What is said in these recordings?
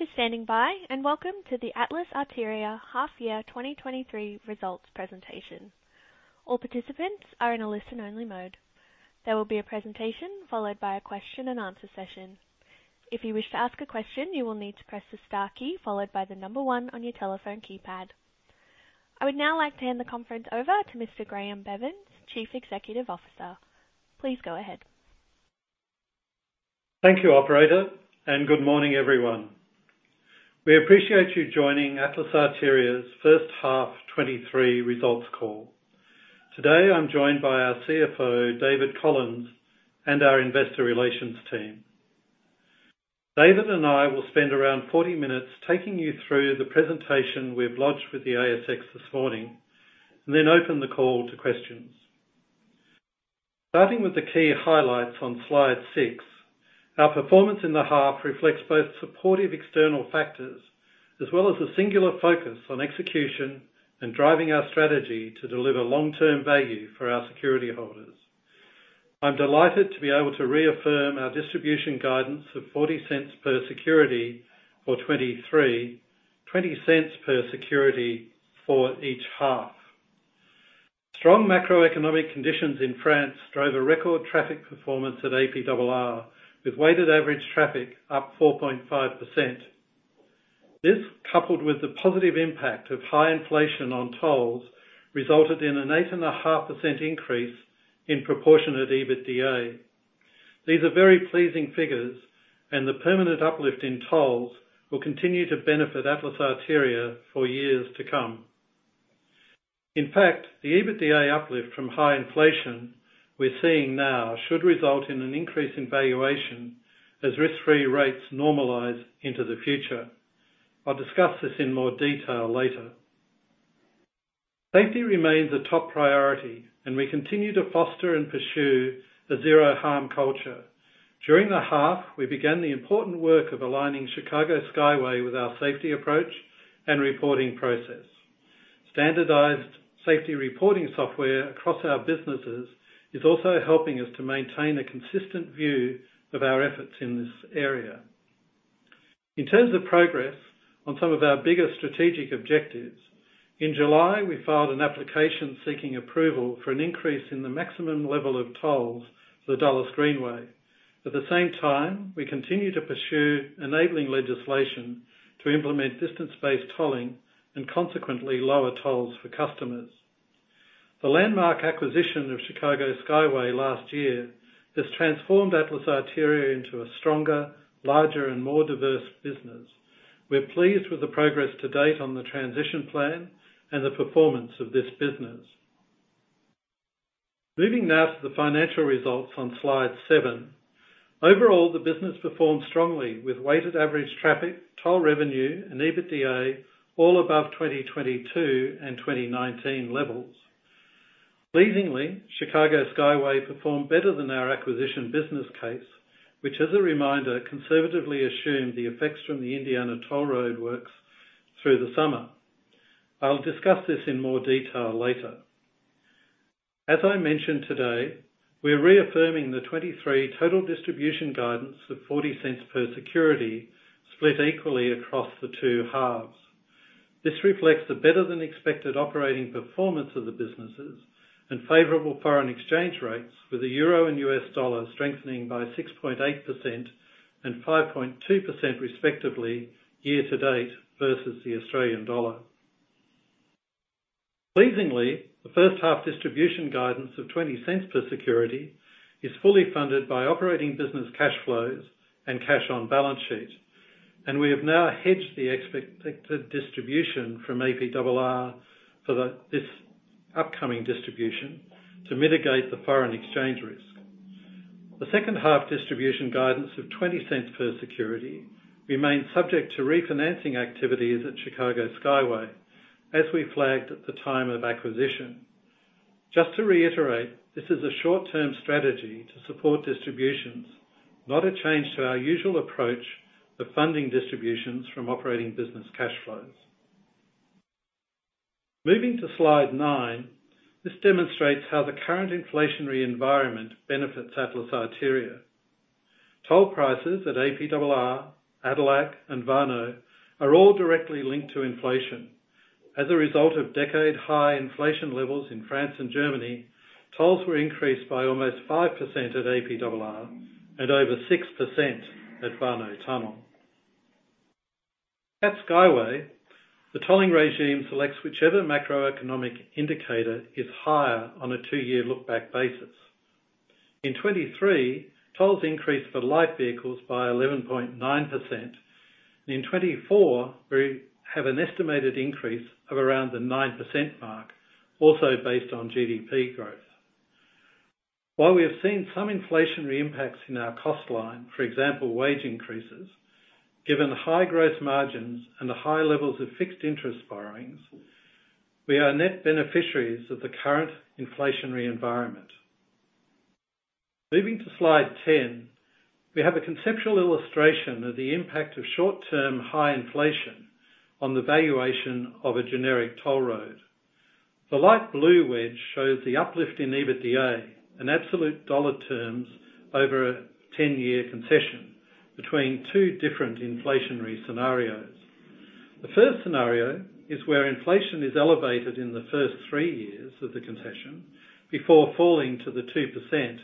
Thank you for standing by, and welcome to the Atlas Arteria Half-Year 2023 Results Presentation. All participants are in a listen-only mode. There will be a presentation followed by a question and answer session. If you wish to ask a question, you will need to press the star key followed by the number one on your telephone keypad. I would now like to hand the conference over to Mr. Graeme Bevans, Chief Executive Officer. Please go ahead. Thank you, operator, and good morning, everyone. We appreciate you joining Atlas Arteria's first half 2023 results call. Today, I'm joined by our CFO, David Collins, and our investor relations team. David and I will spend around 40 minutes taking you through the presentation we've lodged with the ASX this morning, and then open the call to questions. Starting with the key highlights on slide six, our performance in the half reflects both supportive external factors as well as a singular focus on execution and driving our strategy to deliver long-term value for our security holders. I'm delighted to be able to reaffirm our distribution guidance of 0.40 per security for 2023, 0.20 per security for each half. Strong macroeconomic conditions in France drove a record traffic performance at APRR, with weighted average traffic up 4.5%. This, coupled with the positive impact of high inflation on tolls, resulted in an 8.5% increase in proportionate EBITDA. These are very pleasing figures, and the permanent uplift in tolls will continue to benefit Atlas Arteria for years to come. In fact, the EBITDA uplift from high inflation we're seeing now should result in an increase in valuation as risk-free rates normalize into the future. I'll discuss this in more detail later. Safety remains a top priority, and we continue to foster and pursue a zero-harm culture. During the half, we began the important work of aligning Chicago Skyway with our safety approach and reporting process. Standardized safety reporting software across our businesses is also helping us to maintain a consistent view of our efforts in this area. In terms of progress on some of our bigger strategic objectives, in July, we filed an application seeking approval for an increase in the maximum level of tolls for the Dulles Greenway. At the same time, we continue to pursue enabling legislation to implement distance-based tolling and consequently lower tolls for customers. The landmark acquisition of Chicago Skyway last year has transformed Atlas Arteria into a stronger, larger, and more diverse business. We're pleased with the progress to date on the transition plan and the performance of this business. Moving now to the financial results on slide seven. Overall, the business performed strongly with weighted average traffic, toll revenue, and EBITDA, all above 2022 and 2019 levels. Pleasingly, Chicago Skyway performed better than our acquisition business case, which, as a reminder, conservatively assumed the effects from the Indiana Toll Road works through the summer. I'll discuss this in more detail later. As I mentioned, today, we're reaffirming the 2023 total distribution guidance of 0.40 per security, split equally across the two halves. This reflects the better-than-expected operating performance of the businesses and favorable foreign exchange rates, with the Euro and US dollar strengthening by 6.8% and 5.2% respectively year to date versus the Australian dollar. Pleasingly, the first half distribution guidance of 0.20 per security is fully funded by operating business cash flows and cash on balance sheet, and we have now hedged the expected distribution from APRR for this upcoming distribution to mitigate the foreign exchange risk. The second half distribution guidance of 0.20 per security remains subject to refinancing activities at Chicago Skyway, as we flagged at the time of acquisition. Just to reiterate, this is a short-term strategy to support distributions, not a change to our usual approach to funding distributions from operating business cash flows. Moving to slide nine, this demonstrates how the current inflationary environment benefits Atlas Arteria. Toll prices at APRR, ADELAC, and Warnow are all directly linked to inflation. As a result of decade-high inflation levels in France and Germany, tolls were increased by almost 5% at APRR and over 6% at Warnow Tunnel. At Skyway, the tolling regime selects whichever macroeconomic indicator is higher on a 2-year look back basis. In 2023, tolls increased for light vehicles by 11.9%, and in 2024, we have an estimated increase of around the 9% mark, also based on GDP growth. While we have seen some inflationary impacts in our cost line, for example, wage increases, given the high growth margins and the high levels of fixed interest borrowings, we are net beneficiaries of the current inflationary environment. Moving to slide 10, we have a conceptual illustration of the impact of short-term, high inflation on the valuation of a generic toll road. The light blue wedge shows the uplift in EBITDA in absolute dollar terms over a 10-year concession between two different inflationary scenarios. The first scenario is where inflation is elevated in the first three years of the concession before falling to the 2%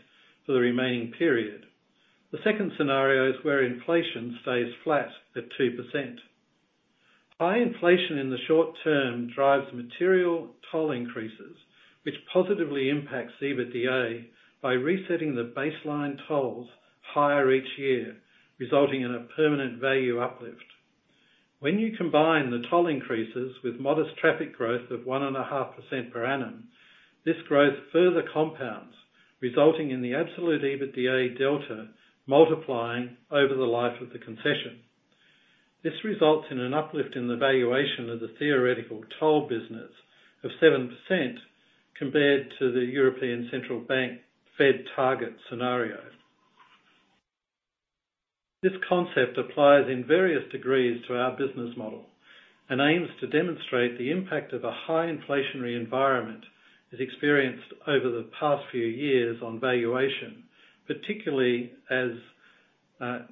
for the remaining period. The second scenario is where inflation stays flat at 2%. High inflation in the short term drives material toll increases, which positively impacts EBITDA by resetting the baseline tolls higher each year, resulting in a permanent value uplift. When you combine the toll increases with modest traffic growth of 1.5% per annum, this growth further compounds, resulting in the absolute EBITDA delta multiplying over the life of the concession. This results in an uplift in the valuation of the theoretical toll business of 7% compared to the European Central Bank Fed target scenario. This concept applies in various degrees to our business model and aims to demonstrate the impact of a high inflationary environment is experienced over the past few years on valuation, particularly as,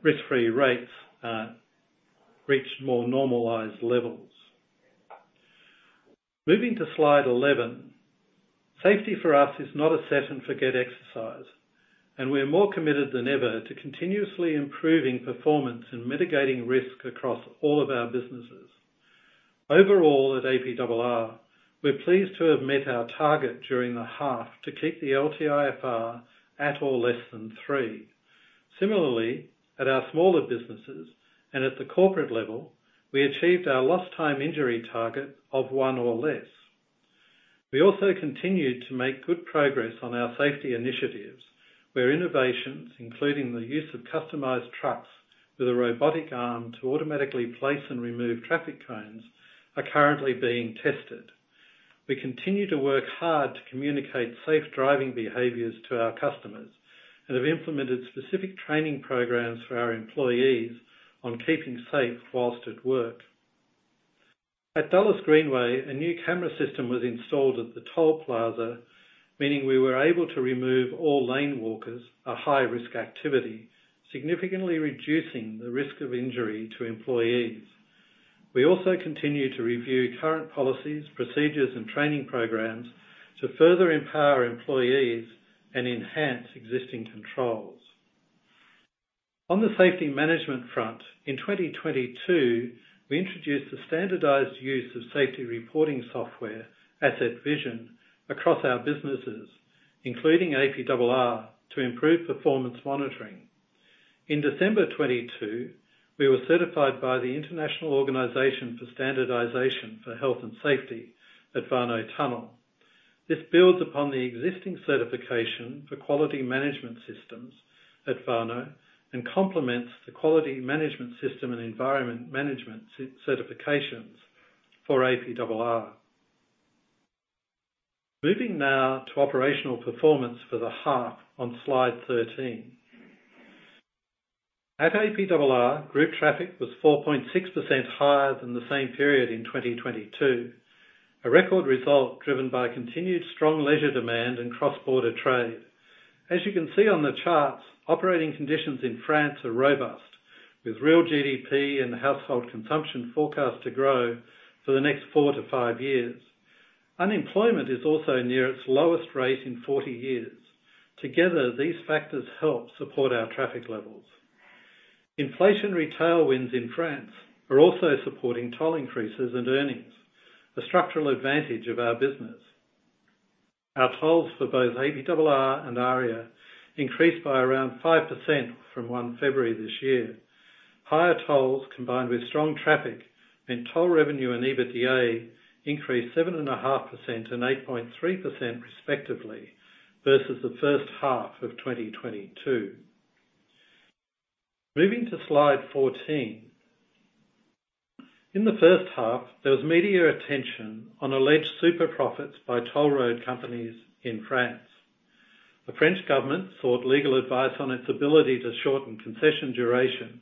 risk-free rates, reach more normalized levels. Moving to slide 11. Safety for us is not a set and forget exercise, and we're more committed than ever to continuously improving performance and mitigating risk across all of our businesses. Overall, at APRR, we're pleased to have met our target during the half to keep the LTIFR at or less than three. Similarly, at our smaller businesses and at the corporate level, we achieved our lost time injury target of one or less. We also continued to make good progress on our safety initiatives, where innovations, including the use of customized trucks with a robotic arm to automatically place and remove traffic cones, are currently being tested. We continue to work hard to communicate safe driving behaviors to our customers and have implemented specific training programs for our employees on keeping safe while at work. At Dulles Greenway, a new camera system was installed at the toll plaza, meaning we were able to remove all lane walkers, a high-risk activity, significantly reducing the risk of injury to employees. We also continue to review current policies, procedures, and training programs to further empower employees and enhance existing controls. On the safety management front, in 2022, we introduced the standardized use of safety reporting software, Asset Vision, across our businesses, including APRR, to improve performance monitoring. In December 2022, we were certified by the International Organization for Standardization for Health and Safety at Warnow Tunnel. This builds upon the existing certification for quality management systems at Warnow and complements the quality management system and environmental management system certifications for APRR. Moving now to operational performance for the half on slide 13. At APRR, group traffic was 4.6% higher than the same period in 2022, a record result driven by continued strong leisure demand and cross-border trade. As you can see on the charts, operating conditions in France are robust, with real GDP and household consumption forecast to grow for the next 4-5 years. Unemployment is also near its lowest rate in 40 years. Together, these factors help support our traffic levels. Inflationary tailwinds in France are also supporting toll increases and earnings, a structural advantage of our business. Our tolls for both APRR and AREA increased by around 5% from 1st February this year. Higher tolls, combined with strong traffic, meant toll revenue and EBITDA increased 7.5% and 8.3% respectively, versus the first half of 2022. Moving to slide 14. In the first half, there was media attention on alleged super profits by toll road companies in France. The French government sought legal advice on its ability to shorten concession duration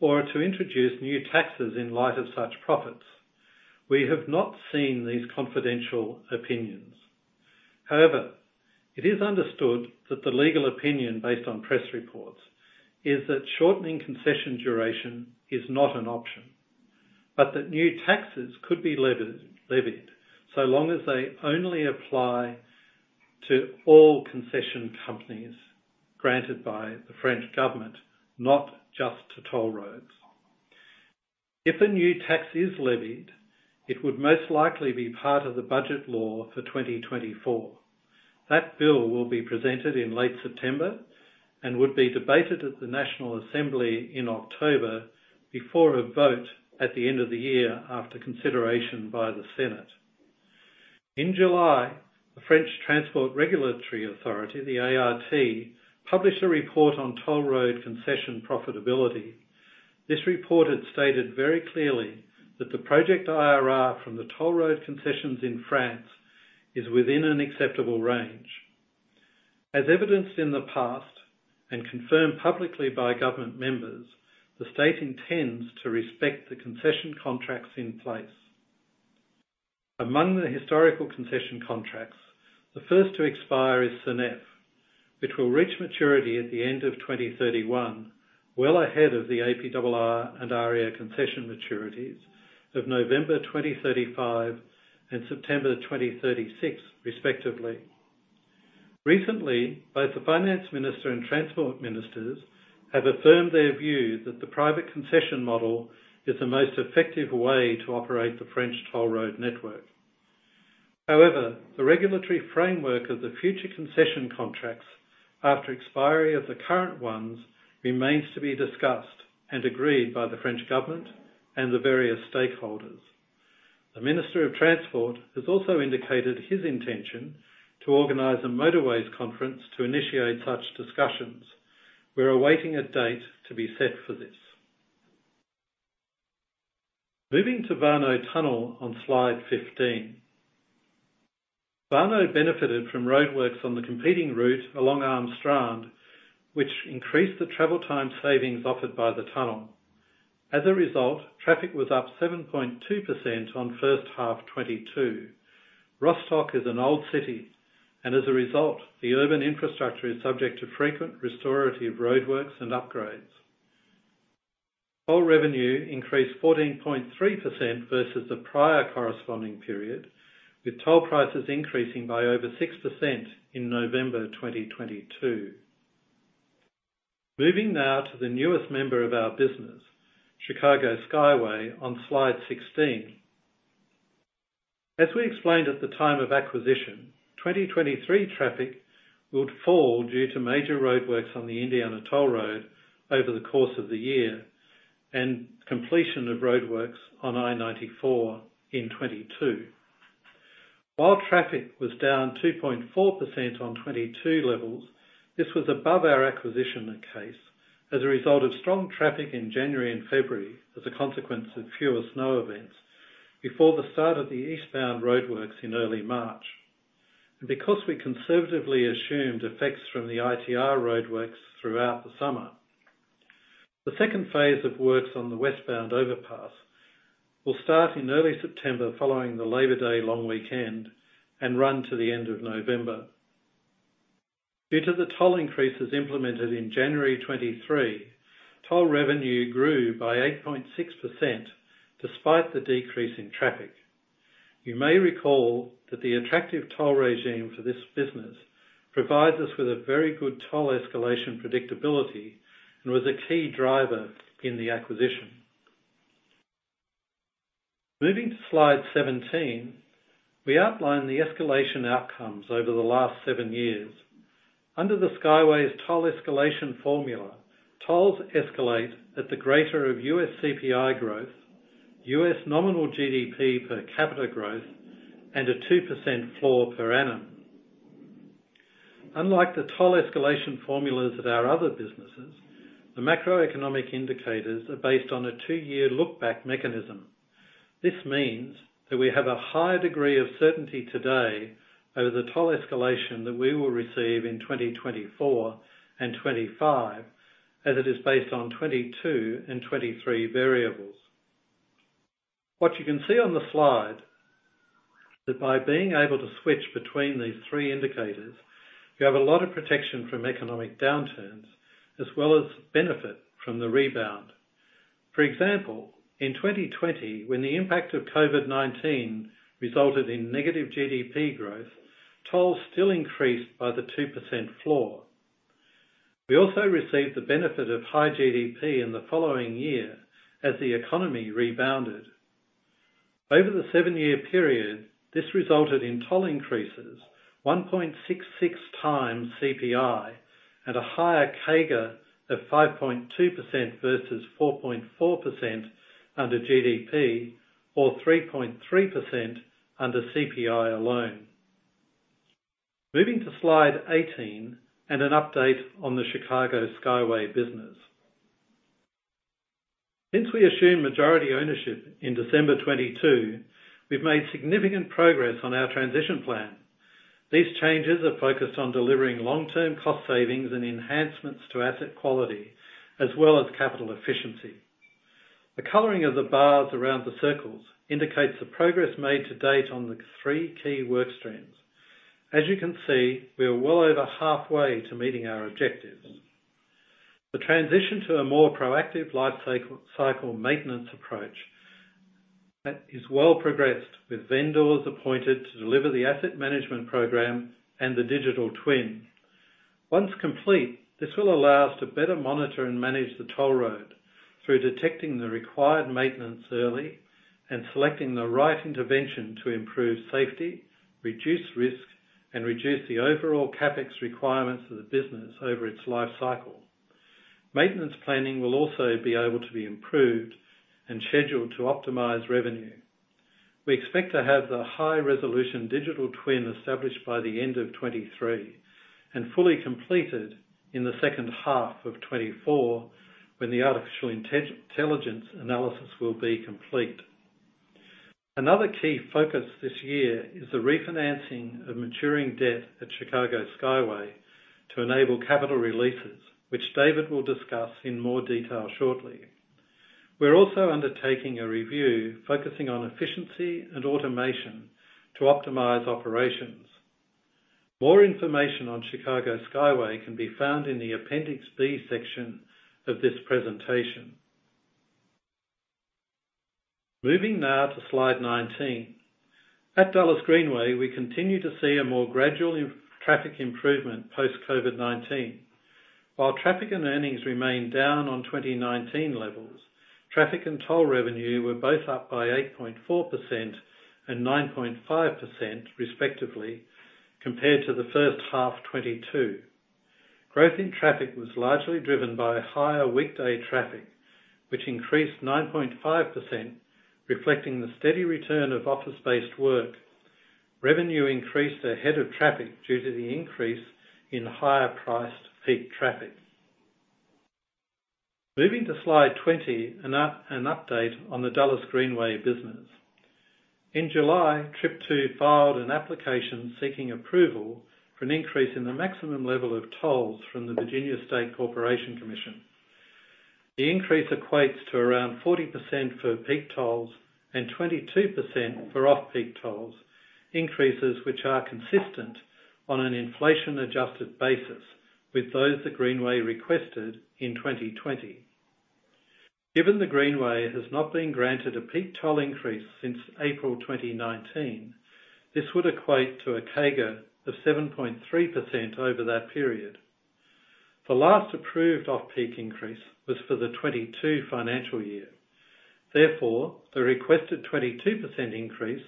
or to introduce new taxes in light of such profits. We have not seen these confidential opinions. However, it is understood that the legal opinion, based on press reports, is that shortening concession duration is not an option, but that new taxes could be levied, so long as they only apply to all concession companies granted by the French government, not just to toll roads. If a new tax is levied, it would most likely be part of the budget law for 2024. That bill will be presented in late September and would be debated at the National Assembly in October, before a vote at the end of the year, after consideration by the Senate. In July, the French Transport Regulatory Authority, the ART, published a report on toll road concession profitability. This report had stated very clearly that the project IRR from the toll road concessions in France is within an acceptable range. As evidenced in the past and confirmed publicly by government members, the state intends to respect the concession contracts in place. Among the historical concession contracts, the first to expire is Sanef, which will reach maturity at the end of 2031, well ahead of the APRR and AREA concession maturities of November 2035 and September 2036, respectively. Recently, both the Finance Minister and Transport Ministers have affirmed their view that the private concession model is the most effective way to operate the French toll road network. However, the regulatory framework of the future concession contracts after expiry of the current ones remains to be discussed and agreed by the French government and the various stakeholders. The Minister of Transport has also indicated his intention to organize a motorways conference to initiate such discussions. We are awaiting a date to be set for this. Moving to Warnow Tunnel on slide 15. Warnow benefited from roadworks on the competing route along Am Strand, which increased the travel time savings offered by the tunnel. As a result, traffic was up 7.2% on first half 2022. Rostock is an old city, and as a result, the urban infrastructure is subject to frequent restorative roadworks and upgrades. Toll revenue increased 14.3% versus the prior corresponding period, with toll prices increasing by over 6% in November 2022. Moving now to the newest member of our business, Chicago Skyway, on slide 16. As we explained at the time of acquisition, 2023 traffic would fall due to major roadworks on the Indiana Toll Road over the course of the year, and completion of roadworks on I-94 in 2022. While traffic was down 2.4% on 2022 levels, this was above our acquisition case as a result of strong traffic in January and February, as a consequence of fewer snow events before the start of the eastbound roadworks in early March. Because we conservatively assumed effects from the ITR roadworks throughout the summer, the second phase of works on the westbound overpass will start in early September, following the Labor Day long weekend, and run to the end of November. Due to the toll increases implemented in January 2023, toll revenue grew by 8.6% despite the decrease in traffic. You may recall that the attractive toll regime for this business provides us with a very good toll escalation predictability and was a key driver in the acquisition. Moving to slide 17, we outline the escalation outcomes over the last 7 years. Under the Skyway's toll escalation formula, tolls escalate at the greater of U.S. CPI growth, U.S. nominal GDP per capita growth, and a 2% floor per annum. Unlike the toll escalation formulas of our other businesses, the macroeconomic indicators are based on a 2-year look-back mechanism. This means that we have a higher degree of certainty today over the toll escalation that we will receive in 2024 and 2025, as it is based on '22 and '23 variables. What you can see on the slide, that by being able to switch between these three indicators, we have a lot of protection from economic downturns as well as benefit from the rebound. For example, in 2020, when the impact of COVID-19 resulted in negative GDP growth, tolls still increased by the 2% floor. We also received the benefit of high GDP in the following year as the economy rebounded. Over the 7-year period, this resulted in toll increases 1.66 times CPI at a higher CAGR of 5.2% versus 4.4% under GDP or 3.3% under CPI alone. Moving to slide 18 and an update on the Chicago Skyway business. Since we assumed majority ownership in December 2022, we've made significant progress on our transition plan. These changes are focused on delivering long-term cost savings and enhancements to asset quality, as well as capital efficiency. The coloring of the bars around the circles indicates the progress made to date on the three key work streams. As you can see, we are well over halfway to meeting our objectives. The transition to a more proactive life cycle, cycle maintenance approach, is well progressed, with vendors appointed to deliver the asset management program and the digital twin. Once complete, this will allow us to better monitor and manage the toll road through detecting the required maintenance early and selecting the right intervention to improve safety, reduce risk, and reduce the overall CapEx requirements of the business over its life cycle. Maintenance planning will also be able to be improved and scheduled to optimize revenue. We expect to have the high-resolution digital twin established by the end of 2023, and fully completed in the second half of 2024, when the artificial intelligence analysis will be complete. Another key focus this year is the refinancing of maturing debt at Chicago Skyway to enable capital releases, which David will discuss in more detail shortly. We're also undertaking a review focusing on efficiency and automation to optimize operations. More information on Chicago Skyway can be found in the Appendix B section of this presentation. Moving now to slide 19. At Dulles Greenway, we continue to see a more gradual traffic improvement post COVID-19. While traffic and earnings remain down on 2019 levels, traffic and toll revenue were both up by 8.4% and 9.5% respectively, compared to the first half 2022. Growth in traffic was largely driven by higher weekday traffic, which increased 9.5%, reflecting the steady return of office-based work. Revenue increased ahead of traffic due to the increase in higher priced peak traffic. Moving to slide 20, an update on the Dulles Greenway business. In July, Trip II filed an application seeking approval for an increase in the maximum level of tolls from the Virginia State Corporation Commission. The increase equates to around 40% for peak tolls and 22% for off-peak tolls, increases which are consistent on an inflation-adjusted basis with those that Greenway requested in 2020. Given the Greenway has not been granted a peak toll increase since April 2019, this would equate to a CAGR of 7.3% over that period. The last approved off-peak increase was for the 2022 financial year. Therefore, the requested 22% increase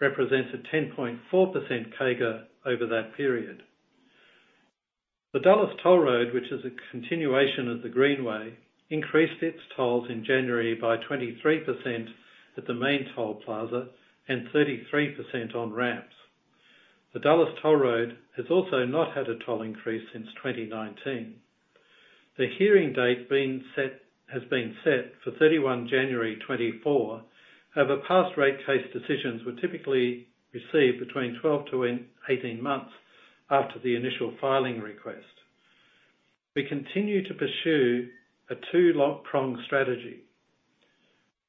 represents a 10.4% CAGR over that period. The Dulles Toll Road, which is a continuation of the Greenway, increased its tolls in January by 23% at the main toll plaza and 33% on ramps. The Dulles Toll Road has also not had a toll increase since 2019. The hearing date has been set for January 31st, 2024. However, past rate case decisions were typically received between 12-18 months after the initial filing request. We continue to pursue a two-pronged strategy.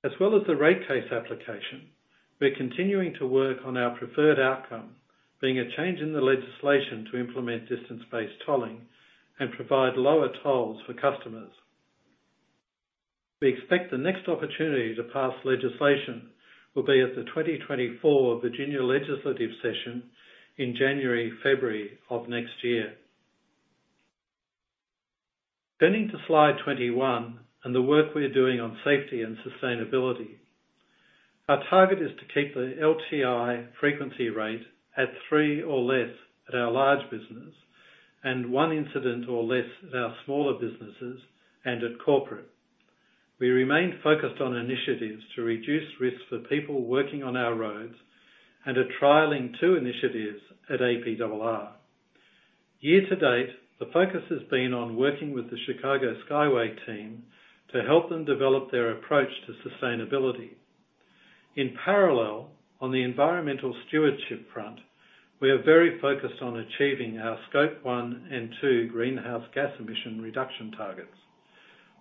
As well as the rate case application, we're continuing to work on our preferred outcome, being a change in the legislation to implement distance-based tolling and provide lower tolls for customers. We expect the next opportunity to pass legislation will be at the 2024 Virginia legislative session in January, February of next year. Turning to slide 21, and the work we're doing on safety and sustainability. Our target is to keep the LTI frequency rate at three or less at our large business, and one incident or less at our smaller businesses and at corporate. We remain focused on initiatives to reduce risks for people working on our roads and are trialing two initiatives at APRR. Year to date, the focus has been on working with the Chicago Skyway team to help them develop their approach to sustainability. In parallel, on the environmental stewardship front, we are very focused on achieving our Scope 1 and 2 greenhouse gas emission reduction targets.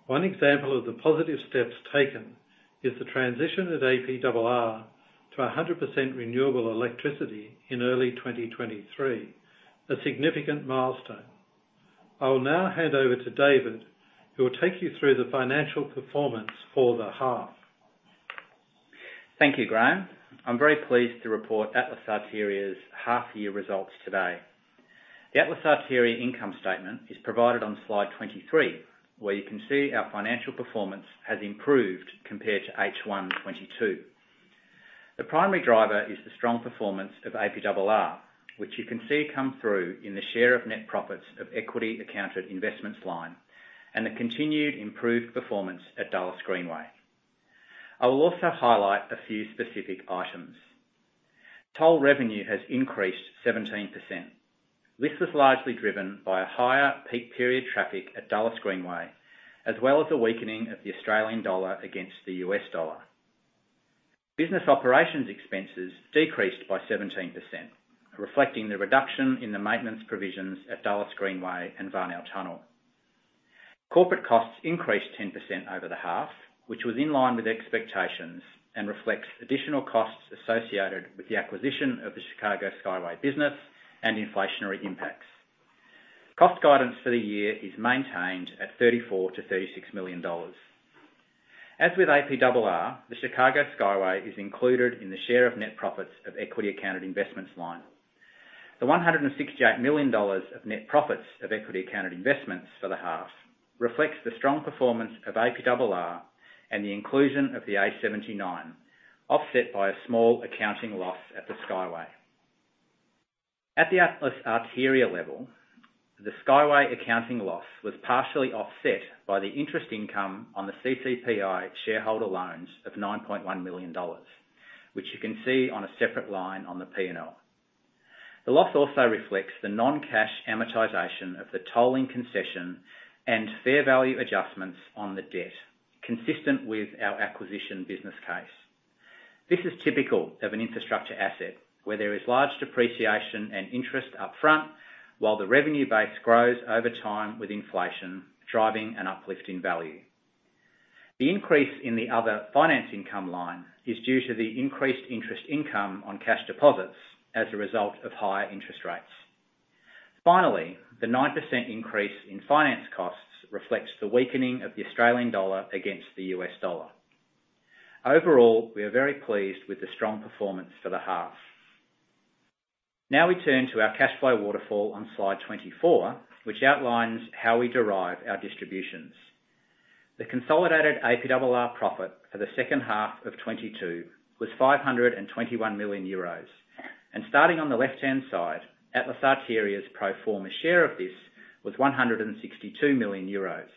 One example of the positive steps taken is the transition at APRR to 100% renewable electricity in early 2023, a significant milestone. I will now hand over to David, who will take you through the financial performance for the half. Thank you, Graham. I'm very pleased to report Atlas Arteria's half-year results today. The Atlas Arteria income statement is provided on slide 23, where you can see our financial performance has improved compared to H1 2022. The primary driver is the strong performance of APRR, which you can see come through in the share of net profits of equity accounted investments line and the continued improved performance at Dulles Greenway. I will also highlight a few specific items. Toll revenue has increased 17%. This was largely driven by a higher peak period traffic at Dulles Greenway, as well as the weakening of the Australian dollar against the U.S. dollar. Business operations expenses decreased by 17%, reflecting the reduction in the maintenance provisions at Dulles Greenway and Warnow Tunnel. Corporate costs increased 10% over the half, which was in line with expectations and reflects additional costs associated with the acquisition of the Chicago Skyway business and inflationary impacts. Cost guidance for the year is maintained at $34 million-$36 million. As with APRR, the Chicago Skyway is included in the share of net profits of equity accounted investments line. The 168 million dollars of net profits of equity accounted investments for the half reflects the strong performance of APRR and the inclusion of the A79, offset by a small accounting loss at the Skyway. At the Atlas Arteria level, the Skyway accounting loss was partially offset by the interest income on the CCPI shareholder loans of $9.1 million, which you can see on a separate line on the P&L. The loss also reflects the non-cash amortization of the tolling concession and fair value adjustments on the debt, consistent with our acquisition business case. This is typical of an infrastructure asset, where there is large depreciation and interest upfront, while the revenue base grows over time with inflation, driving an uplift in value. The increase in the other finance income line is due to the increased interest income on cash deposits as a result of higher interest rates. Finally, the 9% increase in finance costs reflects the weakening of the Australian dollar against the US dollar. Overall, we are very pleased with the strong performance for the half. Now we turn to our cash flow waterfall on slide 24, which outlines how we derive our distributions. The consolidated APRR profit for the second half of 2022 was 521 million euros, and starting on the left-hand side, Atlas Arteria's pro forma share of this was 162 million euros.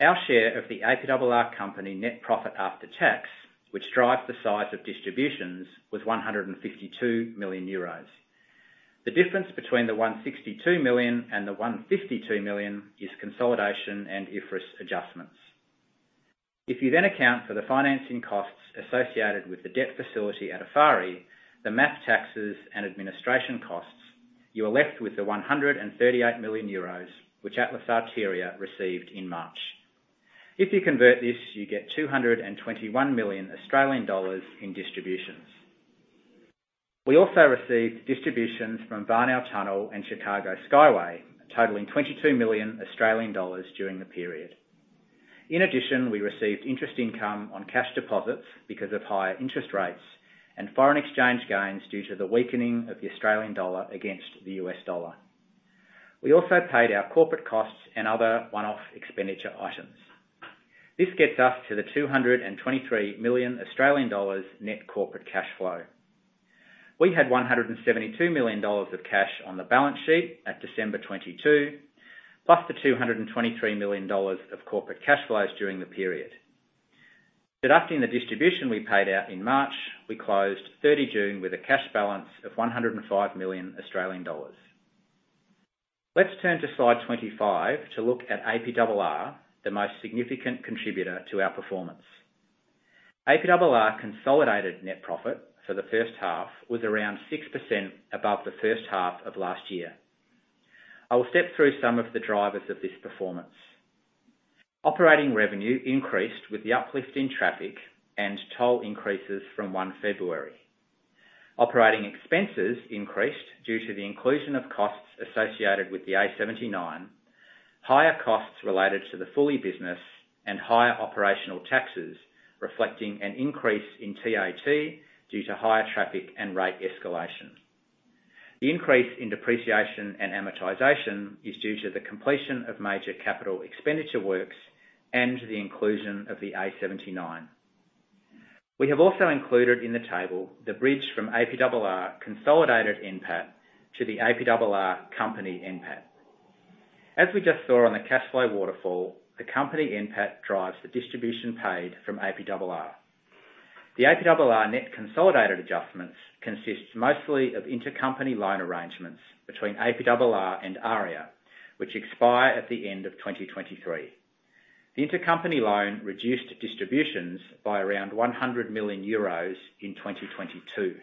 Our share of the APRR company net profit after tax, which drives the size of distributions, was 152 million euros. The difference between the 162 million and the 152 million is consolidation and IFRS adjustments. If you then account for the financing costs associated with the debt facility at Eiffarie, the MAF taxes and administration costs, you are left with the 138 million euros, which Atlas Arteria received in March. If you convert this, you get 221 million Australian dollars in distributions. We also received distributions from Warnow Tunnel and Chicago Skyway, totaling 22 million Australian dollars during the period. In addition, we received interest income on cash deposits because of higher interest rates and foreign exchange gains due to the weakening of the Australian dollar against the US dollar. We also paid our corporate costs and other one-off expenditure items. This gets us to the 223 million Australian dollars net corporate cash flow. We had AUD 172 million of cash on the balance sheet at December 2022, plus the AUD 223 million of corporate cash flows during the period. Deducting the distribution we paid out in March, we closed 30th June with a cash balance of 105 million Australian dollars. Let's turn to slide 25 to look at APRR, the most significant contributor to our performance. APRR consolidated net profit for the first half was around 6% above the first half of last year. I will step through some of the drivers of this performance. Operating revenue increased with the uplift in traffic and toll increases from 1st February. Operating expenses increased due to the inclusion of costs associated with the A79, higher costs related to the fully business, and higher operational taxes, reflecting an increase in TAT due to higher traffic and rate escalation. The increase in depreciation and amortization is due to the completion of major capital expenditure works and the inclusion of the A79. We have also included in the table the bridge from APRR consolidated NPAT to the APRR company NPAT. As we just saw on the cash flow waterfall, the company NPAT drives the distribution paid from APRR. The APRR net consolidated adjustments consists mostly of intercompany loan arrangements between APRR and AREA, which expire at the end of 2023. The intercompany loan reduced distributions by around 100 million euros in 2022.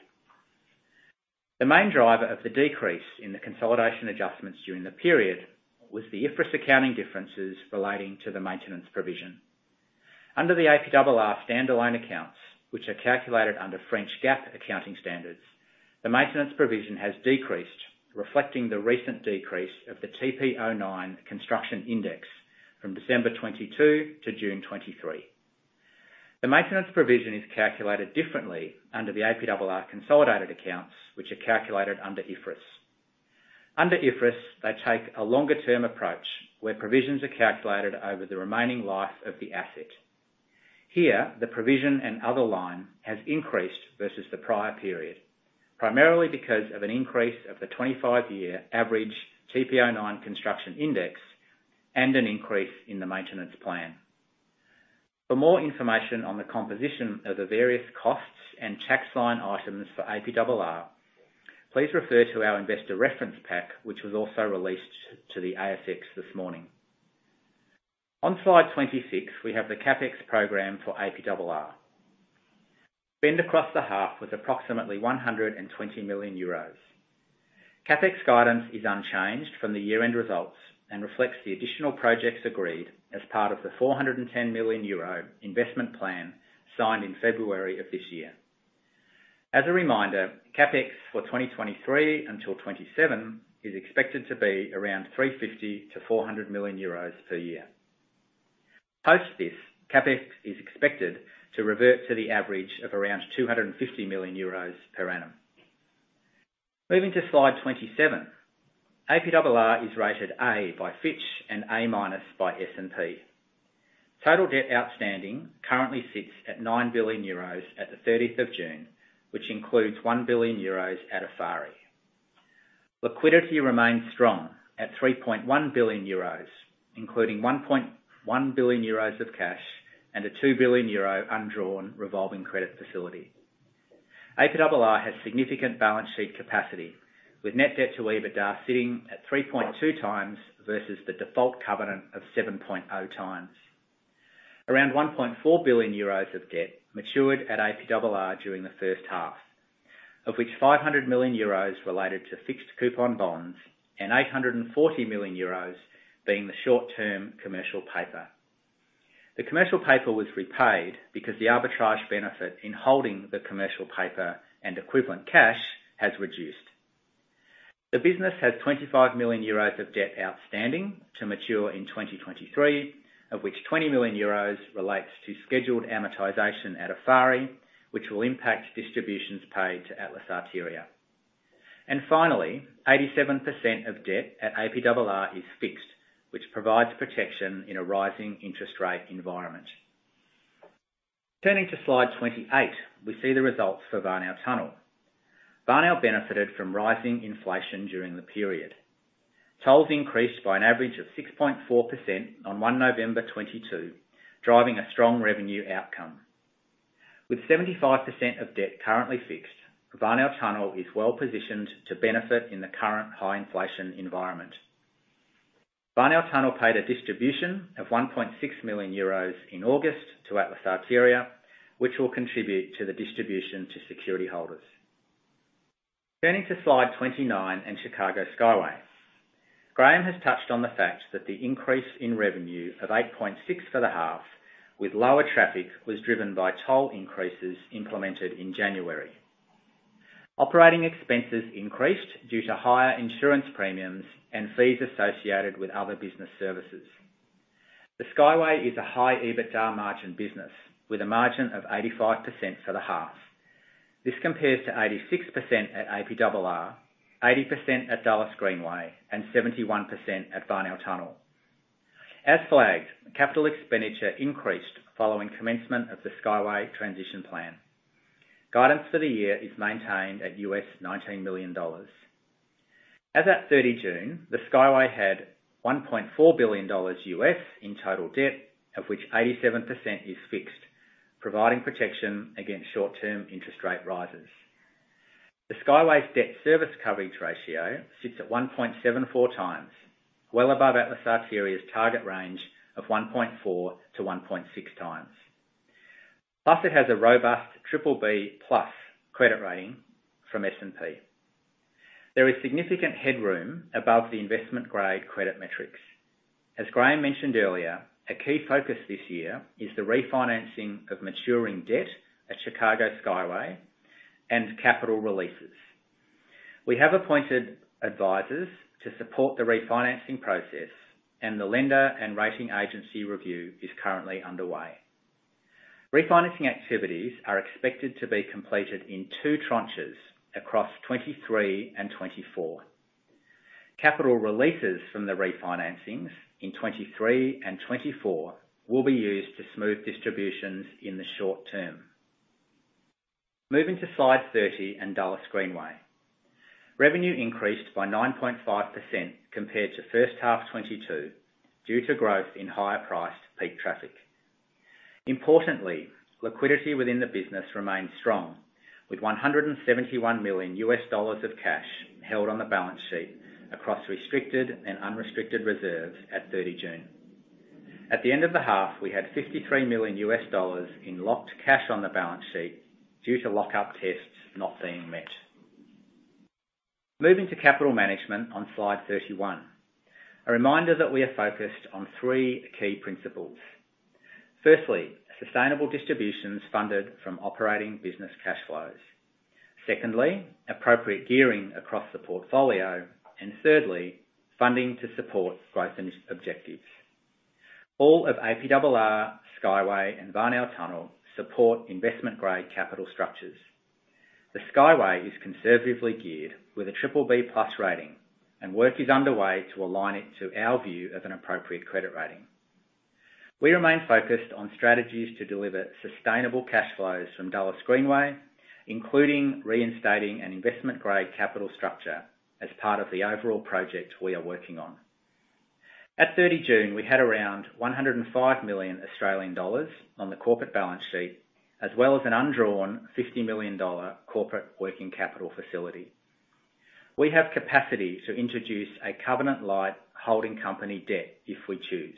The main driver of the decrease in the consolidation adjustments during the period was the IFRS accounting differences relating to the maintenance provision. Under the APRR standalone accounts, which are calculated under French GAAP accounting standards, the maintenance provision has decreased, reflecting the recent decrease of the TP09 Construction Index from December 2022 to June 2023. The maintenance provision is calculated differently under the APRR consolidated accounts, which are calculated under IFRS. Under IFRS, they take a longer-term approach, where provisions are calculated over the remaining life of the asset. Here, the provision and other line has increased versus the prior period, primarily because of an increase of the 25-year average TP09 Construction Index and an increase in the maintenance plan. For more information on the composition of the various costs and tax line items for APRR, please refer to our investor reference pack, which was also released to the ASX this morning. On slide 26, we have the CapEx program for APRR. Spend across the half was approximately 120 million euros. CapEx guidance is unchanged from the year-end results and reflects the additional projects agreed as part of the 410 million euro investment plan signed in February of this year. As a reminder, CapEx for 2023 until 2027 is expected to be around 350 million-400 million euros per year. Post this, CapEx is expected to revert to the average of around 250 million euros per annum. Moving to slide 27, APRR is rated A by Fitch and A minus by S&P. Total debt outstanding currently sits at 9 billion euros at the thirtieth of June, which includes 1 billion euros at Afari. Liquidity remains strong at 3.1 billion euros, including 1.1 billion euros of cash and a 2 billion euro undrawn revolving credit facility. APRR has significant balance sheet capacity, with net debt to EBITDA sitting at 3.2 times versus the default covenant of 7.0 times. Around 1.4 billion euros of debt matured at APRR during the first half, of which 500 million euros related to fixed coupon bonds and 840 million euros being the short-term commercial paper. The commercial paper was repaid because the arbitrage benefit in holding the commercial paper and equivalent cash has reduced. The business has 25 million euros of debt outstanding to mature in 2023, of which 20 million euros relates to scheduled amortization at Afari, which will impact distributions paid to Atlas Arteria. And finally, 87% of debt at APRR is fixed, which provides protection in a rising interest rate environment. Turning to slide 28, we see the results for Warnow Tunnel. Warnow Tunnel benefited from rising inflation during the period. Tolls increased by an average of 6.4% on 1st November 2022, driving a strong revenue outcome. With 75% of debt currently fixed, Warnow Tunnel is well positioned to benefit in the current high inflation environment. Warnow Tunnel paid a distribution of 1.6 million euros in August to Atlas Arteria, which will contribute to the distribution to security holders. Turning to slide 29 and Chicago Skyway. Graham has touched on the fact that the increase in revenue of $8.6 million for the half with lower traffic, was driven by toll increases implemented in January. Operating expenses increased due to higher insurance premiums and fees associated with other business services. The Skyway is a high EBITDA margin business with a margin of 85% for the half. This compares to 86% at APRR, 80% at Dulles Greenway, and 71% at Warnow Tunnel. As flagged, capital expenditure increased following commencement of the Skyway transition plan. Guidance for the year is maintained at $19 million. As at 30th June, the Skyway had $1.4 billion in total debt, of which 87% is fixed, providing protection against short-term interest rate rises. The Chicago Skyway's debt service coverage ratio sits at 1.74 times, well above Atlas Arteria's target range of 1.4 times-1.6 times. Plus, it has a robust BBB+ credit rating from S&P. There is significant headroom above the investment-grade credit metrics. As Graham mentioned earlier, a key focus this year is the refinancing of maturing debt at Chicago Skyway and capital releases. We have appointed advisors to support the refinancing process, and the lender and rating agency review is currently underway. Refinancing activities are expected to be completed in two tranches across 2023 and 2024. Capital releases from the refinancings in 2023 and 2024 will be used to smooth distributions in the short term. Moving to slide 30 and Dulles Greenway. Revenue increased by 9.5% compared to first half 2022, due to growth in higher priced peak traffic. Importantly, liquidity within the business remains strong, with $171 million of cash held on the balance sheet across restricted and unrestricted reserves at 30th June. At the end of the half, we had $53 million in locked cash on the balance sheet due to lockup tests not being met. Moving to capital management on slide 31. A reminder that we are focused on three key principles: firstly, sustainable distributions funded from operating business cash flows; secondly, appropriate gearing across the portfolio; and thirdly, funding to support growth and objectives. All of APRR, Skyway, and Warnow Tunnel support investment-grade capital structures. The Skyway is conservatively geared with a BBB+ rating, and work is underway to align it to our view of an appropriate credit rating. We remain focused on strategies to deliver sustainable cash flows from Dulles Greenway, including reinstating an investment-grade capital structure as part of the overall project we are working on. At 30th June, we had around 105 million Australian dollars on the corporate balance sheet, as well as an undrawn AUD 50 million corporate working capital facility. We have capacity to introduce a covenant light holding company debt if we choose.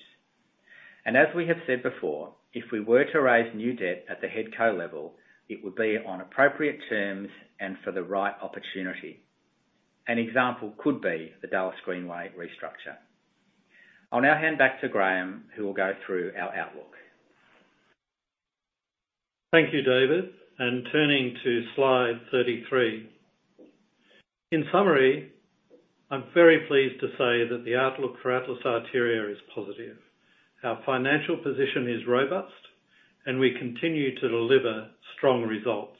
And as we have said before, if we were to raise new debt at the head co-level, it would be on appropriate terms and for the right opportunity. An example could be the Dulles Greenway restructure. I'll now hand back to Graham, who will go through our outlook. Thank you, David. Turning to slide 33. In summary, I'm very pleased to say that the outlook for Atlas Arteria is positive. Our financial position is robust, and we continue to deliver strong results.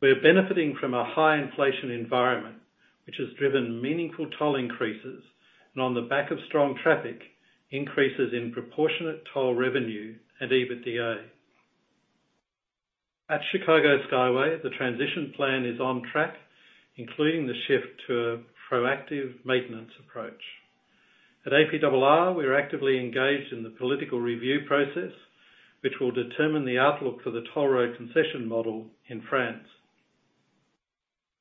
We are benefiting from a high inflation environment, which has driven meaningful toll increases, and on the back of strong traffic, increases in proportionate toll revenue and EBITDA.... At Chicago Skyway, the transition plan is on track, including the shift to a proactive maintenance approach. At APRR, we are actively engaged in the political review process, which will determine the outlook for the toll road concession model in France.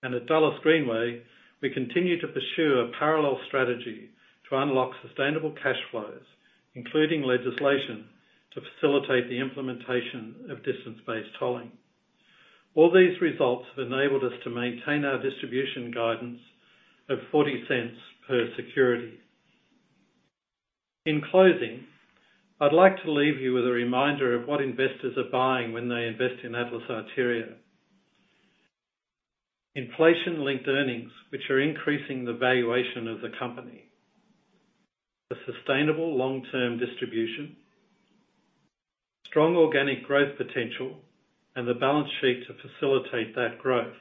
And at Dulles Greenway, we continue to pursue a parallel strategy to unlock sustainable cash flows, including legislation to facilitate the implementation of distance-based tolling. All these results have enabled us to maintain our distribution guidance of 0.40 per security. In closing, I'd like to leave you with a reminder of what investors are buying when they invest in Atlas Arteria. Inflation-linked earnings, which are increasing the valuation of the company, a sustainable long-term distribution, strong organic growth potential, and the balance sheet to facilitate that growth.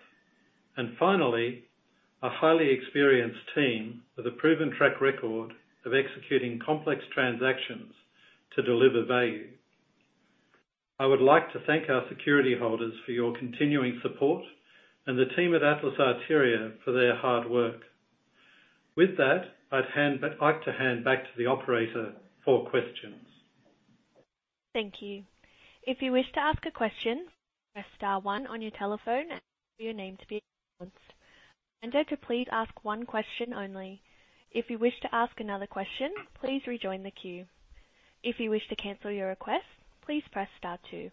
Finally, a highly experienced team with a proven track record of executing complex transactions to deliver value. I would like to thank our security holders for your continuing support, and the team at Atlas Arteria for their hard work. With that, I'd like to hand back to the operator for questions. Thank you. If you wish to ask a question, press star one on your telephone and for your name to be announced, and to please ask one question only. If you wish to ask another question, please rejoin the queue. If you wish to cancel your request, please press star two.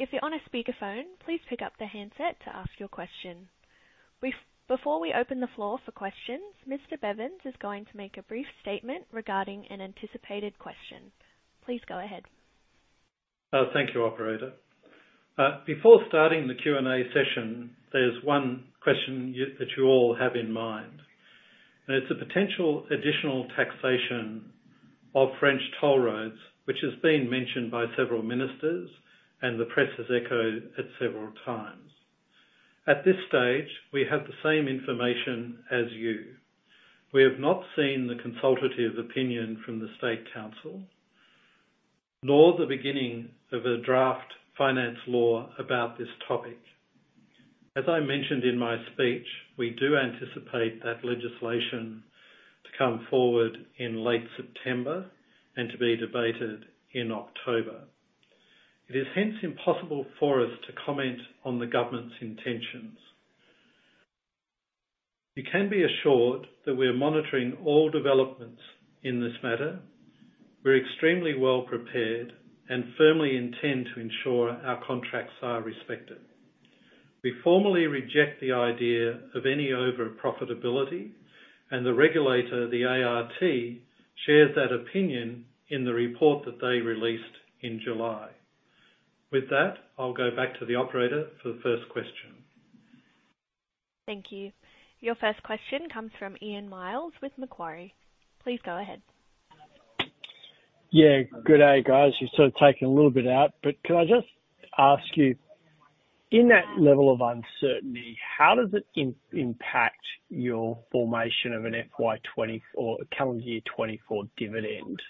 If you're on a speakerphone, please pick up the handset to ask your question. Before we open the floor for questions, Mr. Bevans is going to make a brief statement regarding an anticipated question. Please go ahead. Thank you, operator. Before starting the Q&A session, there's one question you, that you all have in mind, and it's a potential additional taxation of French toll roads, which has been mentioned by several ministers, and the press has echoed it several times. At this stage, we have the same information as you. We have not seen the consultative opinion from the State Council, nor the beginning of a draft finance law about this topic. As I mentioned in my speech, we do anticipate that legislation to come forward in late September and to be debated in October. It is hence impossible for us to comment on the government's intentions. You can be assured that we are monitoring all developments in this matter. We're extremely well prepared and firmly intend to ensure our contracts are respected. We formally reject the idea of any overprofitability, and the regulator, the ART, shares that opinion in the report that they released in July. With that, I'll go back to the operator for the first question. Thank you. Your first question comes from Ian Myles with Macquarie. Please go ahead. Yeah, good day, guys. You've sort of taken a little bit out, but could I just ask you: In that level of uncertainty, how does it impact your formation of an FY 2024 or a calendar year 2024 dividend,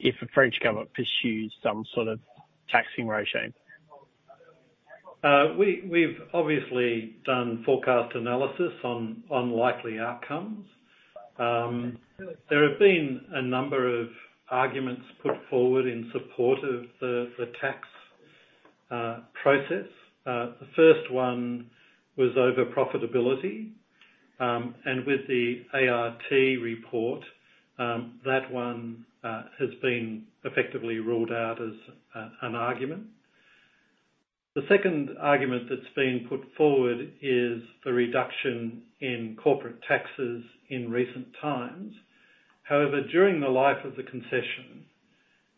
if the French government pursues some sort of taxing regime? We've obviously done forecast analysis on likely outcomes. There have been a number of arguments put forward in support of the tax process. The first one was overprofitability, and with the ART report, that one has been effectively ruled out as an argument. The second argument that's been put forward is the reduction in corporate taxes in recent times. However, during the life of the concession,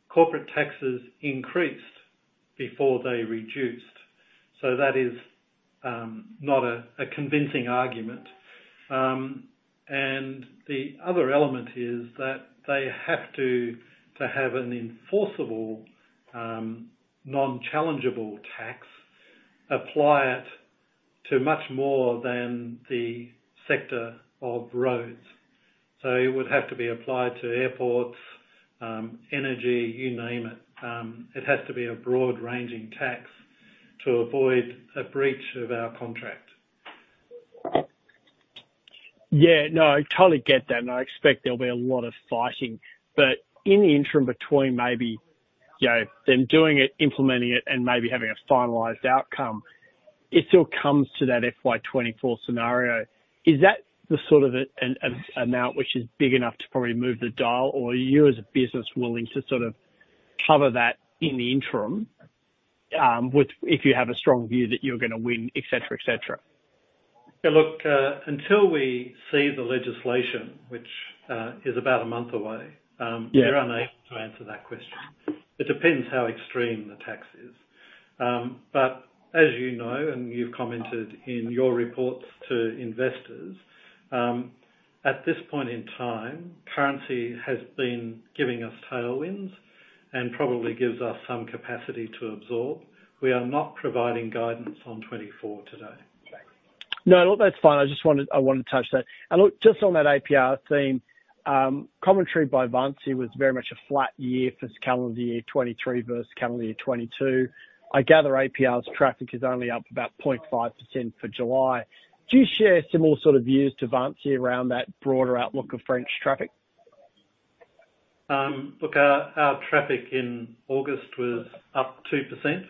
corporate taxes increased before they reduced, so that is not a convincing argument. And the other element is that they have to have an enforceable, non-challengeable tax, apply it to much more than the sector of roads. So it would have to be applied to airports, energy, you name it. It has to be a broad-ranging tax to avoid a breach of our contract. Yeah, no, I totally get that, and I expect there'll be a lot of fighting. But in the interim between maybe, you know, them doing it, implementing it, and maybe having a finalized outcome, it still comes to that FY 2024 scenario. Is that the sort of an amount which is big enough to probably move the dial, or are you as a business willing to sort of cover that in the interim, which if you have a strong view that you're gonna win, et cetera, et cetera? Yeah, look, until we see the legislation, which is about a month away, Yeah. We're unable to answer that question. It depends how extreme the tax is. But as you know, and you've commented in your reports to investors, at this point in time, currency has been giving us tailwinds and probably gives us some capacity to absorb. We are not providing guidance on 2024 today. No, look, that's fine. I just wanted, I wanted to touch that. And look, just on that APR theme, commentary by Vinci was very much a flat year for its calendar year 2023 versus calendar year 2022. I gather APR's traffic is only up about 0.5% for July. Do you share similar sort of views to Vinci around that broader outlook of French traffic? Look, our traffic in August was up 2%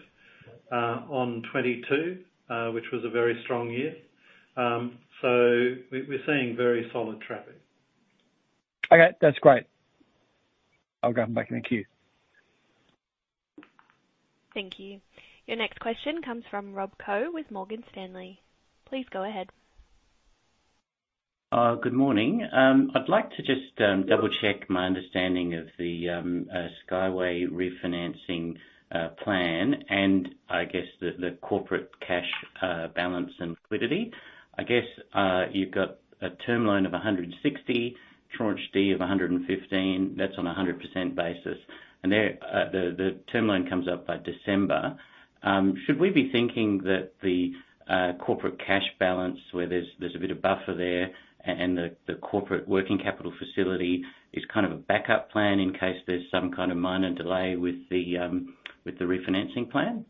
on 2022, which was a very strong year. So we're seeing very solid traffic. Okay, that's great. I'll go back in the queue. Thank you. Your next question comes from Rob Koh with Morgan Stanley. Please go ahead. Good morning. I'd like to just double check my understanding of the Skyway refinancing plan, and I guess the corporate cash balance and liquidity. I guess you've got a term loan of $160 million, tranche D of $115 million, that's on a 100% basis, and the term loan comes up by December. Should we be thinking that the corporate cash balance, where there's a bit of buffer there, and the corporate working capital facility is kind of a backup plan in case there's some kind of minor delay with the refinancing plan?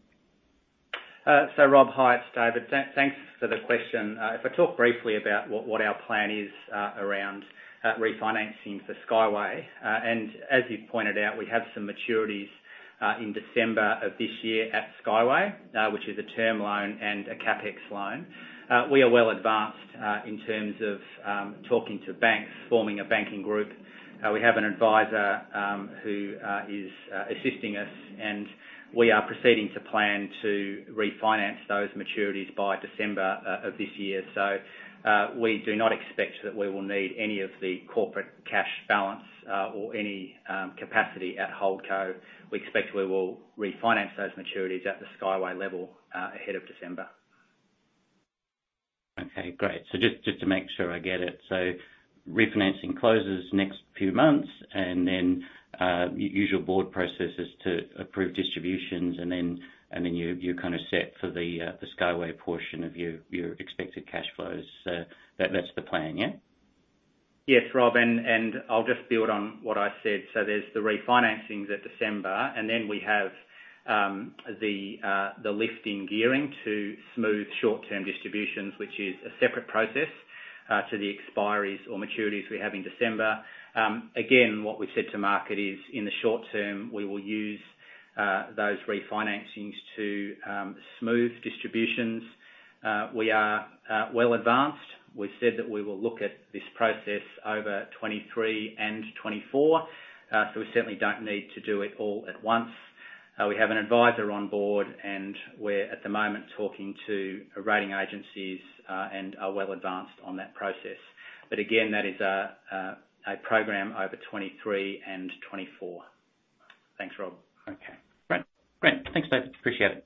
So Rob, hi, it's David. Thanks for the question. If I talk briefly about what our plan is around refinancing for Skyway, and as you've pointed out, we have some maturities in December of this year at Skyway, which is a term loan and a CapEx loan. We are well advanced in terms of talking to banks, forming a banking group. We have an advisor who is assisting us, and we are proceeding to plan to refinance those maturities by December of this year. So, we do not expect that we will need any of the corporate cash balance or any capacity at Holdco. We expect we will refinance those maturities at the Skyway level ahead of December. Okay, great. So just to make sure I get it: so refinancing closes next few months and then, use your board processes to approve distributions, and then you're kind of set for the Skyway portion of your expected cash flows. That's the plan, yeah? Yes, Rob, I'll just build on what I said. So there's the refinancings at December, and then we have the lift in gearing to smooth short-term distributions, which is a separate process to the expiries or maturities we have in December. Again, what we've said to market is, in the short term, we will use those refinancings to smooth distributions. We are well advanced. We've said that we will look at this process over 2023 and 2024, so we certainly don't need to do it all at once. We have an advisor on board, and we're at the moment talking to rating agencies, and are well advanced on that process. But again, that is a program over 2023 and 2024. Thanks, Rob. Okay. Great. Great, thanks, David. Appreciate it.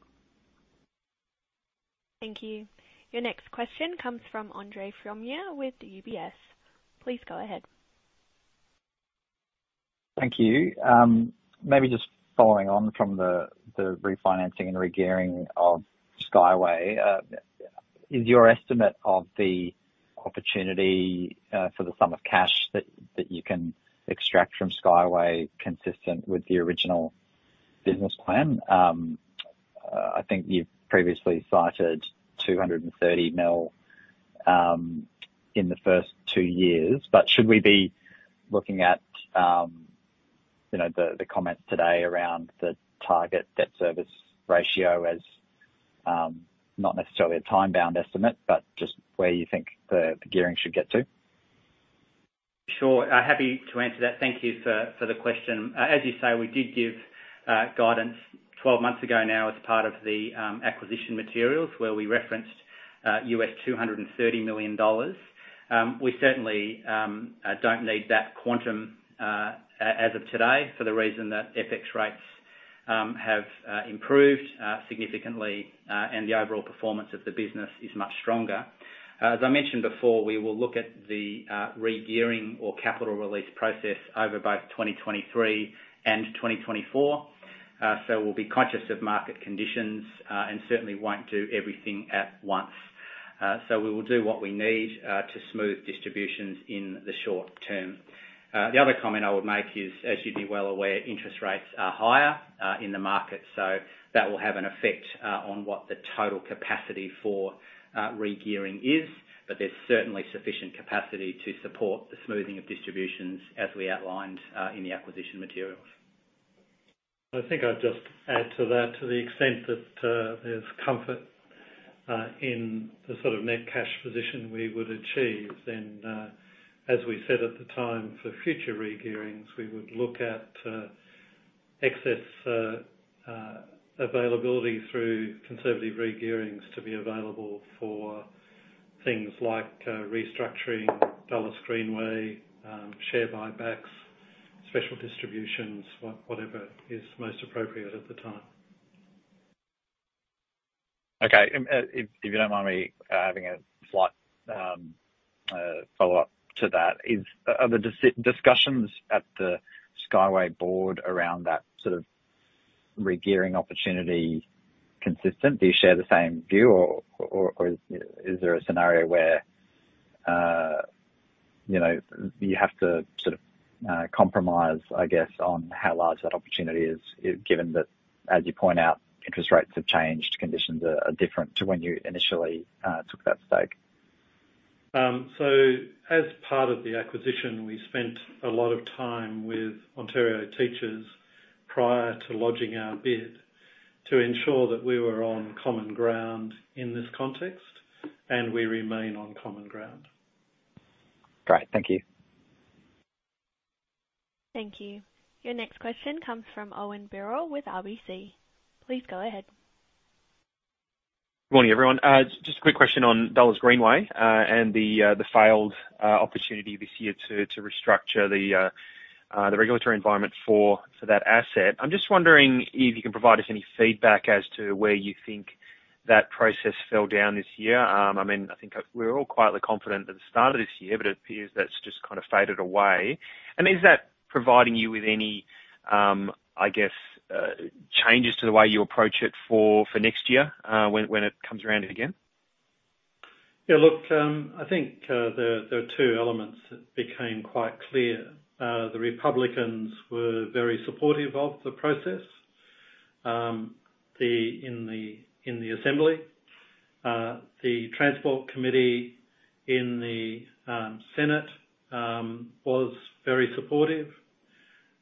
Thank you. Your next question comes from Andre Fromyhr with UBS. Please go ahead. Thank you. Maybe just following on from the, the refinancing and regearing of Skyway, is your estimate of the opportunity, for the sum of cash that, that you can extract from Skyway, consistent with the original business plan? I think you've previously cited $230 million in the first two years, but should we be looking at, you know, the, the comments today around the target debt service ratio as, not necessarily a time-bound estimate, but just where you think the, the gearing should get to? Sure. Happy to answer that. Thank you for the question. As you say, we did give guidance 12 months ago now as part of the acquisition materials, where we referenced $230 million. We certainly don't need that quantum as of today, for the reason that FX rates have improved significantly, and the overall performance of the business is much stronger. As I mentioned before, we will look at the regearing or capital release process over both 2023 and 2024. So we'll be conscious of market conditions, and certainly won't do everything at once. So we will do what we need to smooth distributions in the short term. The other comment I would make is, as you'd be well aware, interest rates are higher in the market, so that will have an effect on what the total capacity for regearing is. But there's certainly sufficient capacity to support the smoothing of distributions as we outlined in the acquisition materials. I think I'd just add to that, to the extent that, there's comfort, in the sort of net cash position we would achieve, then, as we said at the time, for future regearing, we would look at, excess, availability through conservative regearing to be available for things like, restructuring Dulles Greenway, share buybacks, special distributions, whatever is most appropriate at the time. Okay. If you don't mind me having a slight follow-up to that, are the discussions at the Skyway board around that sort of regearing opportunity consistent? Do you share the same view or is there a scenario where you know you have to sort of compromise, I guess, on how large that opportunity is, given that, as you point out, interest rates have changed, conditions are different to when you initially took that stake? As part of the acquisition, we spent a lot of time with Ontario Teachers prior to lodging our bid, to ensure that we were on common ground in this context, and we remain on common ground. Great. Thank you. Thank you. Your next question comes from Owen Birrell with RBC. Please go ahead. Good morning, everyone. Just a quick question on Dulles Greenway and the failed opportunity this year to restructure the regulatory environment for that asset. I'm just wondering if you can provide us any feedback as to where you think that process fell down this year. I mean, I think we're all quietly confident at the start of this year, but it appears that's just kind of faded away. And is that providing you with any, I guess, changes to the way you approach it for next year, when it comes around again? Yeah, look, I think there are two elements that became quite clear. The Republicans were very supportive of the process in the assembly. The Transport Committee in the Senate was very supportive,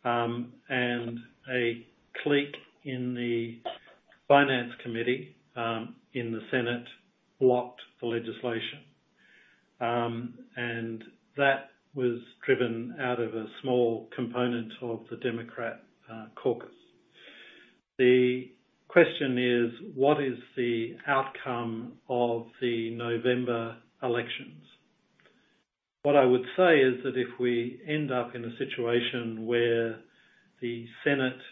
and a clique in the Finance Committee in the Senate blocked the legislation. And that was driven out of a small component of the Democrat caucus. The question is: What is the outcome of the November elections? What I would say is that if we end up in a situation where the Senate is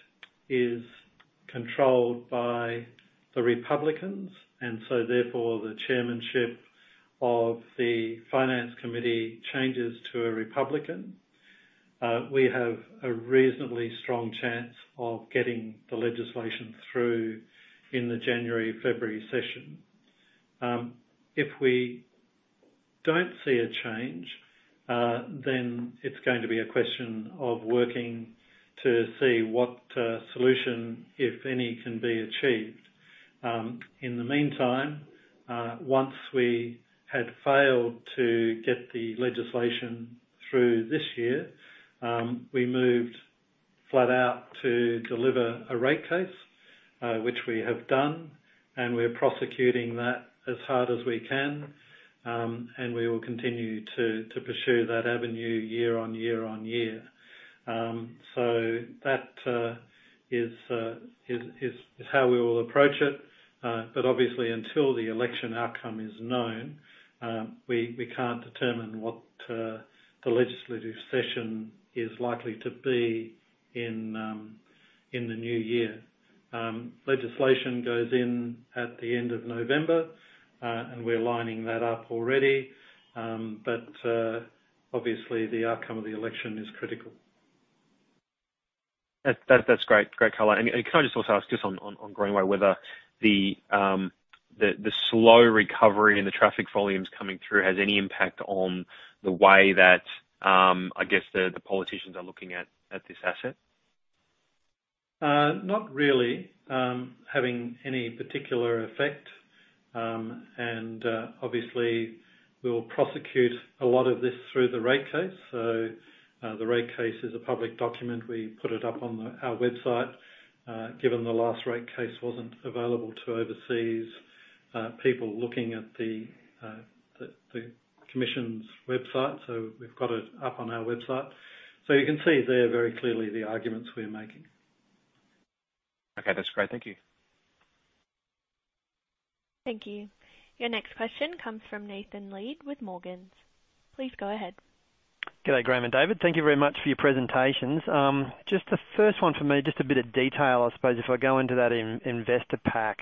controlled by the Republicans, and so therefore, the chairmanship of the Finance Committee changes to a Republican, we have a reasonably strong chance of getting the legislation through in the January-February session. If we don't see a change, then it's going to be a question of working to see what solution, if any, can be achieved. In the meantime, once we had failed to get the legislation through this year, we moved flat out to deliver a rate case, which we have done, and we're prosecuting that as hard as we can, and we will continue to pursue that avenue year on year on year. So that is how we will approach it. But obviously, until the election outcome is known, we can't determine what the legislative session is likely to be in the new year. Legislation goes in at the end of November, and we're lining that up already, but obviously, the outcome of the election is critical. That's great color. And can I just also ask just on Greenway whether the slow recovery in the traffic volumes coming through has any impact on the way that I guess the politicians are looking at this asset? Not really having any particular effect, and obviously, we'll prosecute a lot of this through the rate case. So, the rate case is a public document. We put it up on our website, given the last rate case wasn't available to overseas people looking at the commission's website, so we've got it up on our website. So you can see there very clearly the arguments we're making. Okay. That's great. Thank you. Thank you. Your next question comes from Nathan Lead with Morgans. Please go ahead. Good day, Graham and David. Thank you very much for your presentations. Just the first one for me, just a bit of detail, I suppose if I go into that in InvestorPack,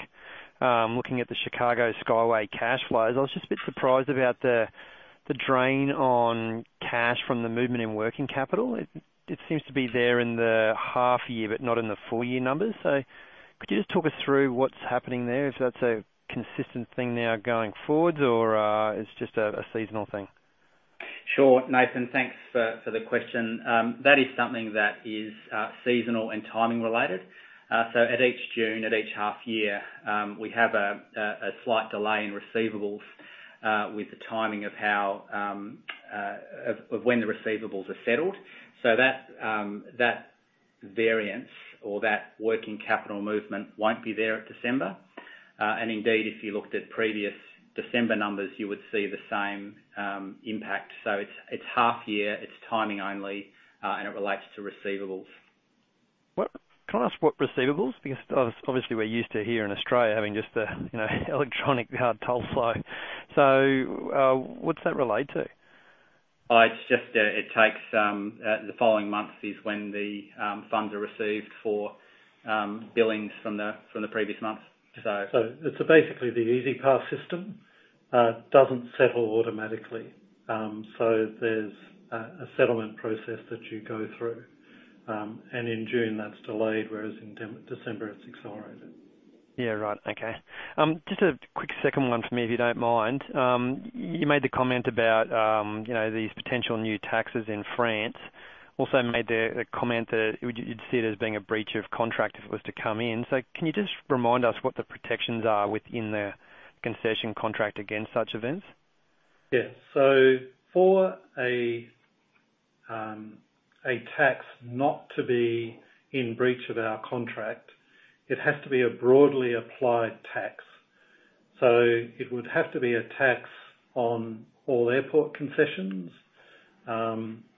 looking at the Chicago Skyway cash flows, I was just a bit surprised about the drain on cash from the movement in working capital. It seems to be there in the half year, but not in the full year numbers. So could you just talk us through what's happening there, if that's a consistent thing now going forwards or it's just a seasonal thing? Sure, Nathan. Thanks for, for the question. That is something that is seasonal and timing related. So at each June, at each half year, we have a slight delay in receivables with the timing of how of when the receivables are settled. So that that variance or that working capital movement won't be there at December. And indeed, if you looked at previous December numbers, you would see the same impact. So it's half year, it's timing only, and it relates to receivables. Well, can I ask what receivables? Because obviously we're used to here in Australia, having just a, you know, electronic hard toll flow. So, what's that relate to? It's just, it takes, the following months is when the funds are received for, billings from the, from the previous month. So- So it's basically the EasyPass system doesn't settle automatically. So there's a settlement process that you go through, and in June that's delayed, whereas in December, it's accelerated. Yeah, right. Okay. Just a quick second one for me, if you don't mind. You made the comment about, you know, these potential new taxes in France. Also made the comment that you'd see it as being a breach of contract if it was to come in. So can you just remind us what the protections are within the concession contract against such events? Yes. So for a tax not to be in breach of our contract, it has to be a broadly applied tax. So it would have to be a tax on all airport concessions,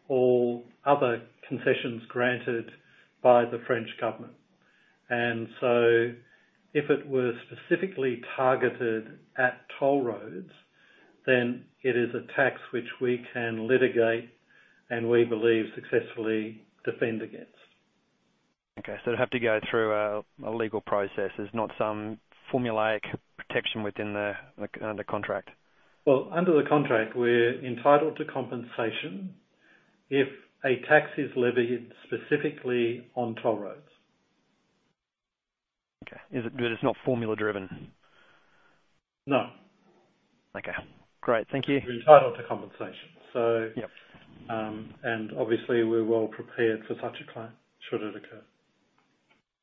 all other concessions granted by the French government. And so if it were specifically targeted at toll roads, then it is a tax which we can litigate and we believe successfully defend against. Okay. So it'd have to go through a legal process. There's not some formulaic protection within the under contract? Well, under the contract, we're entitled to compensation if a tax is levied specifically on toll roads. Okay. Is it, but it's not formula driven? No. Okay, great. Thank you. We're entitled to compensation. Yep. Obviously we're well prepared for such a claim, should it occur.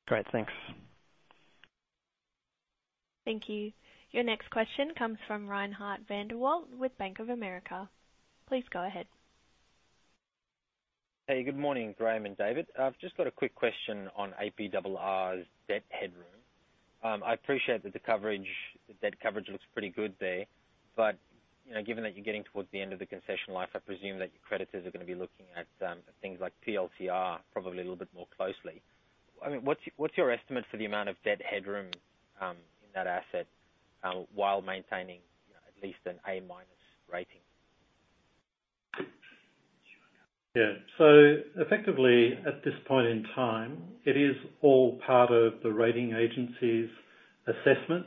Great, thanks. Thank you. Your next question comes from Reinier van der Walt with Bank of America. Please go ahead. Hey, good morning, Graham and David. I've just got a quick question on APRR's debt headroom. I appreciate that the coverage, the debt coverage looks pretty good there, but, you know, given that you're getting towards the end of the concession life, I presume that your creditors are gonna be looking at, things like PLCR probably a little bit more closely. I mean, what's, what's your estimate for the amount of debt headroom, in that asset, while maintaining at least an A-minus rating? Yeah. So effectively, at this point in time, it is all part of the rating agency's assessment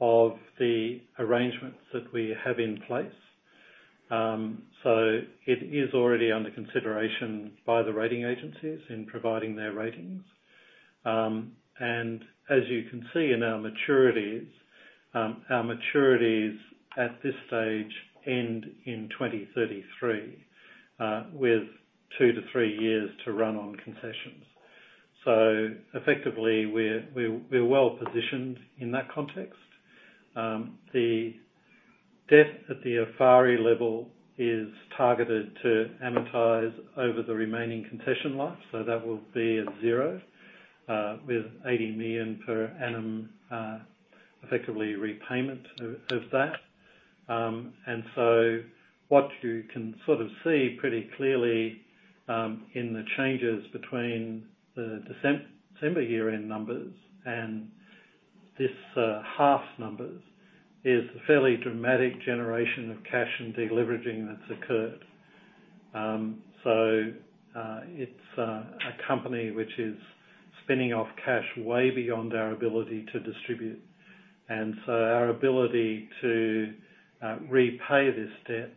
of the arrangements that we have in place. So it is already under consideration by the rating agencies in providing their ratings. And as you can see in our maturities, our maturities at this stage end in 2033, with 2-3 years to run on concessions. So effectively, we're well positioned in that context. The debt at the Afari level is targeted to amortize over the remaining concession life, so that will be at zero, with 80 million per annum, effectively repayment of that. And so what you can sort of see pretty clearly, in the changes between the December year-end numbers and this half numbers, is a fairly dramatic generation of cash and deleveraging that's occurred. So, it's a company which is spinning off cash way beyond our ability to distribute, and so our ability to repay this debt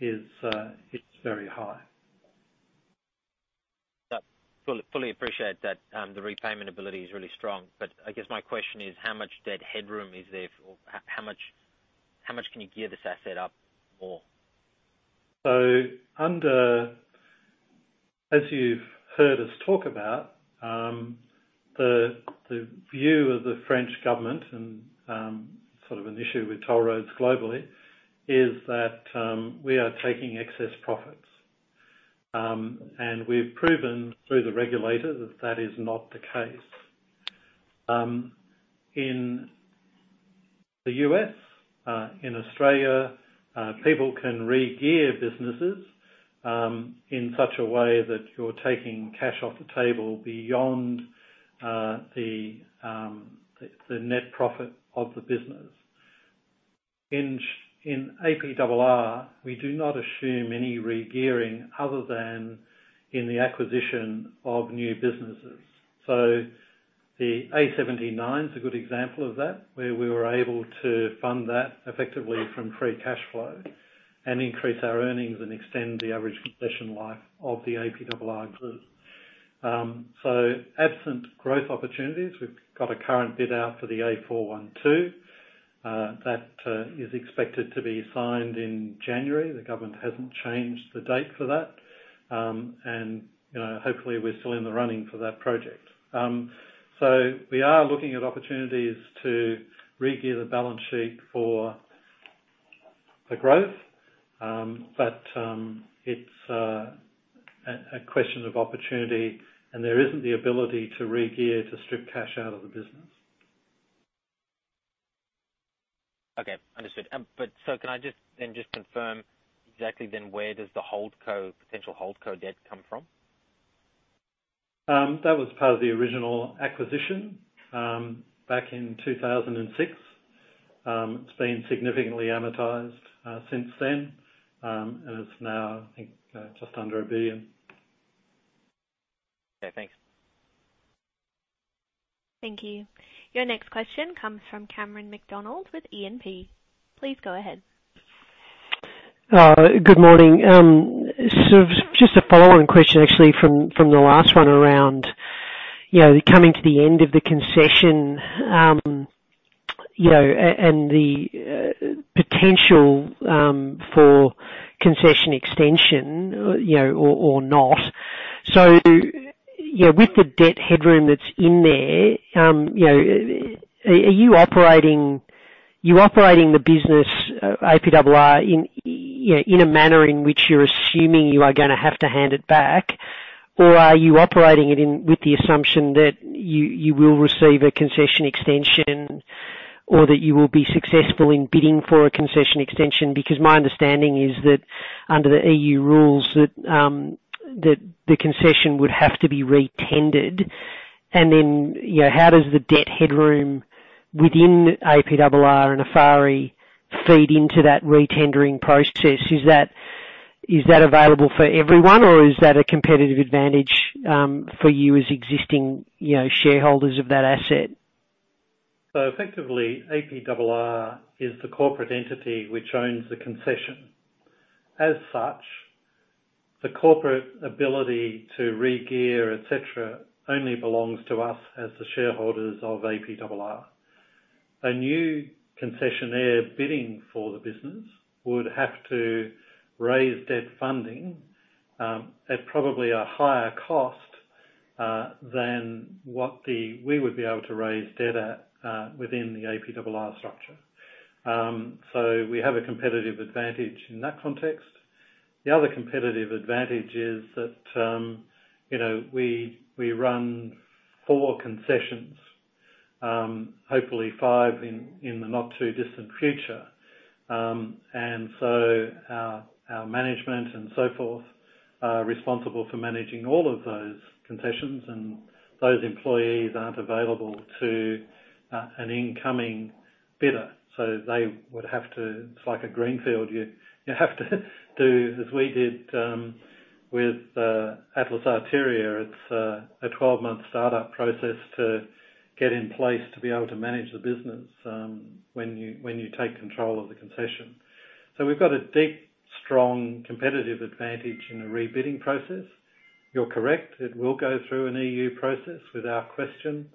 is very high. Yep. Fully, fully appreciate that, the repayment ability is really strong. But I guess my question is, how much debt headroom is there for... How much can you gear this asset up more? As you've heard us talk about, the view of the French government and sort of an issue with toll roads globally is that we are taking excess profits. And we've proven through the regulator that that is not the case. In the US, in Australia, people can re-gear businesses in such a way that you're taking cash off the table beyond the net profit of the business. In APRR, we do not assume any re-gearing other than in the acquisition of new businesses. So the A79 is a good example of that, where we were able to fund that effectively from free cash flow and increase our earnings and extend the average concession life of the APRR group. So absent growth opportunities, we've got a current bid out for the A412, that is expected to be signed in January. The government hasn't changed the date for that. And, you know, hopefully, we're still in the running for that project. So we are looking at opportunities to re-gear the balance sheet for the growth, but it's a question of opportunity, and there isn't the ability to re-gear to strip cash out of the business. Okay, understood. But so can I just, then just confirm exactly then, where does the hold co, potential hold co debt come from? That was part of the original acquisition, back in 2006. It's been significantly amortized, since then. And it's now, I think, just under 1 billion. Okay, thanks. Thank you. Your next question comes from Cameron McDonald with E&P. Please go ahead. Good morning. So just a follow-on question, actually, from the last one around, you know, coming to the end of the concession, you know, and the potential for concession extension, you know, or not. So, you know, with the debt headroom that's in there, you know, are you operating, you're operating the business, APRR in a manner in which you're assuming you are gonna have to hand it back? Or are you operating it in, with the assumption that you, you will receive a concession extension or that you will be successful in bidding for a concession extension? Because my understanding is that under the EU rules, that the concession would have to be re-tendered. And then, you know, how does the debt headroom within APRR and Afari feed into that re-tendering process? Is that, is that available for everyone, or is that a competitive advantage, for you as existing, you know, shareholders of that asset? So effectively, APRR is the corporate entity which owns the concession. As such, the corporate ability to regear, et cetera, only belongs to us as the shareholders of APRR. A new concessionaire bidding for the business would have to raise debt funding at probably a higher cost than what we would be able to raise debt at within the APRR structure. So we have a competitive advantage in that context. The other competitive advantage is that, you know, we, we run four concessions, hopefully five in the not-too-distant future. And so our, our management and so forth are responsible for managing all of those concessions, and those employees aren't available to an incoming bidder. So they would have to... It's like a greenfield. You, you have to do as we did with Atlas Arteria. It's a 12-month startup process to get in place to be able to manage the business, when you take control of the concession. So we've got a deep, strong competitive advantage in the rebidding process. You're correct, it will go through an EU process without question,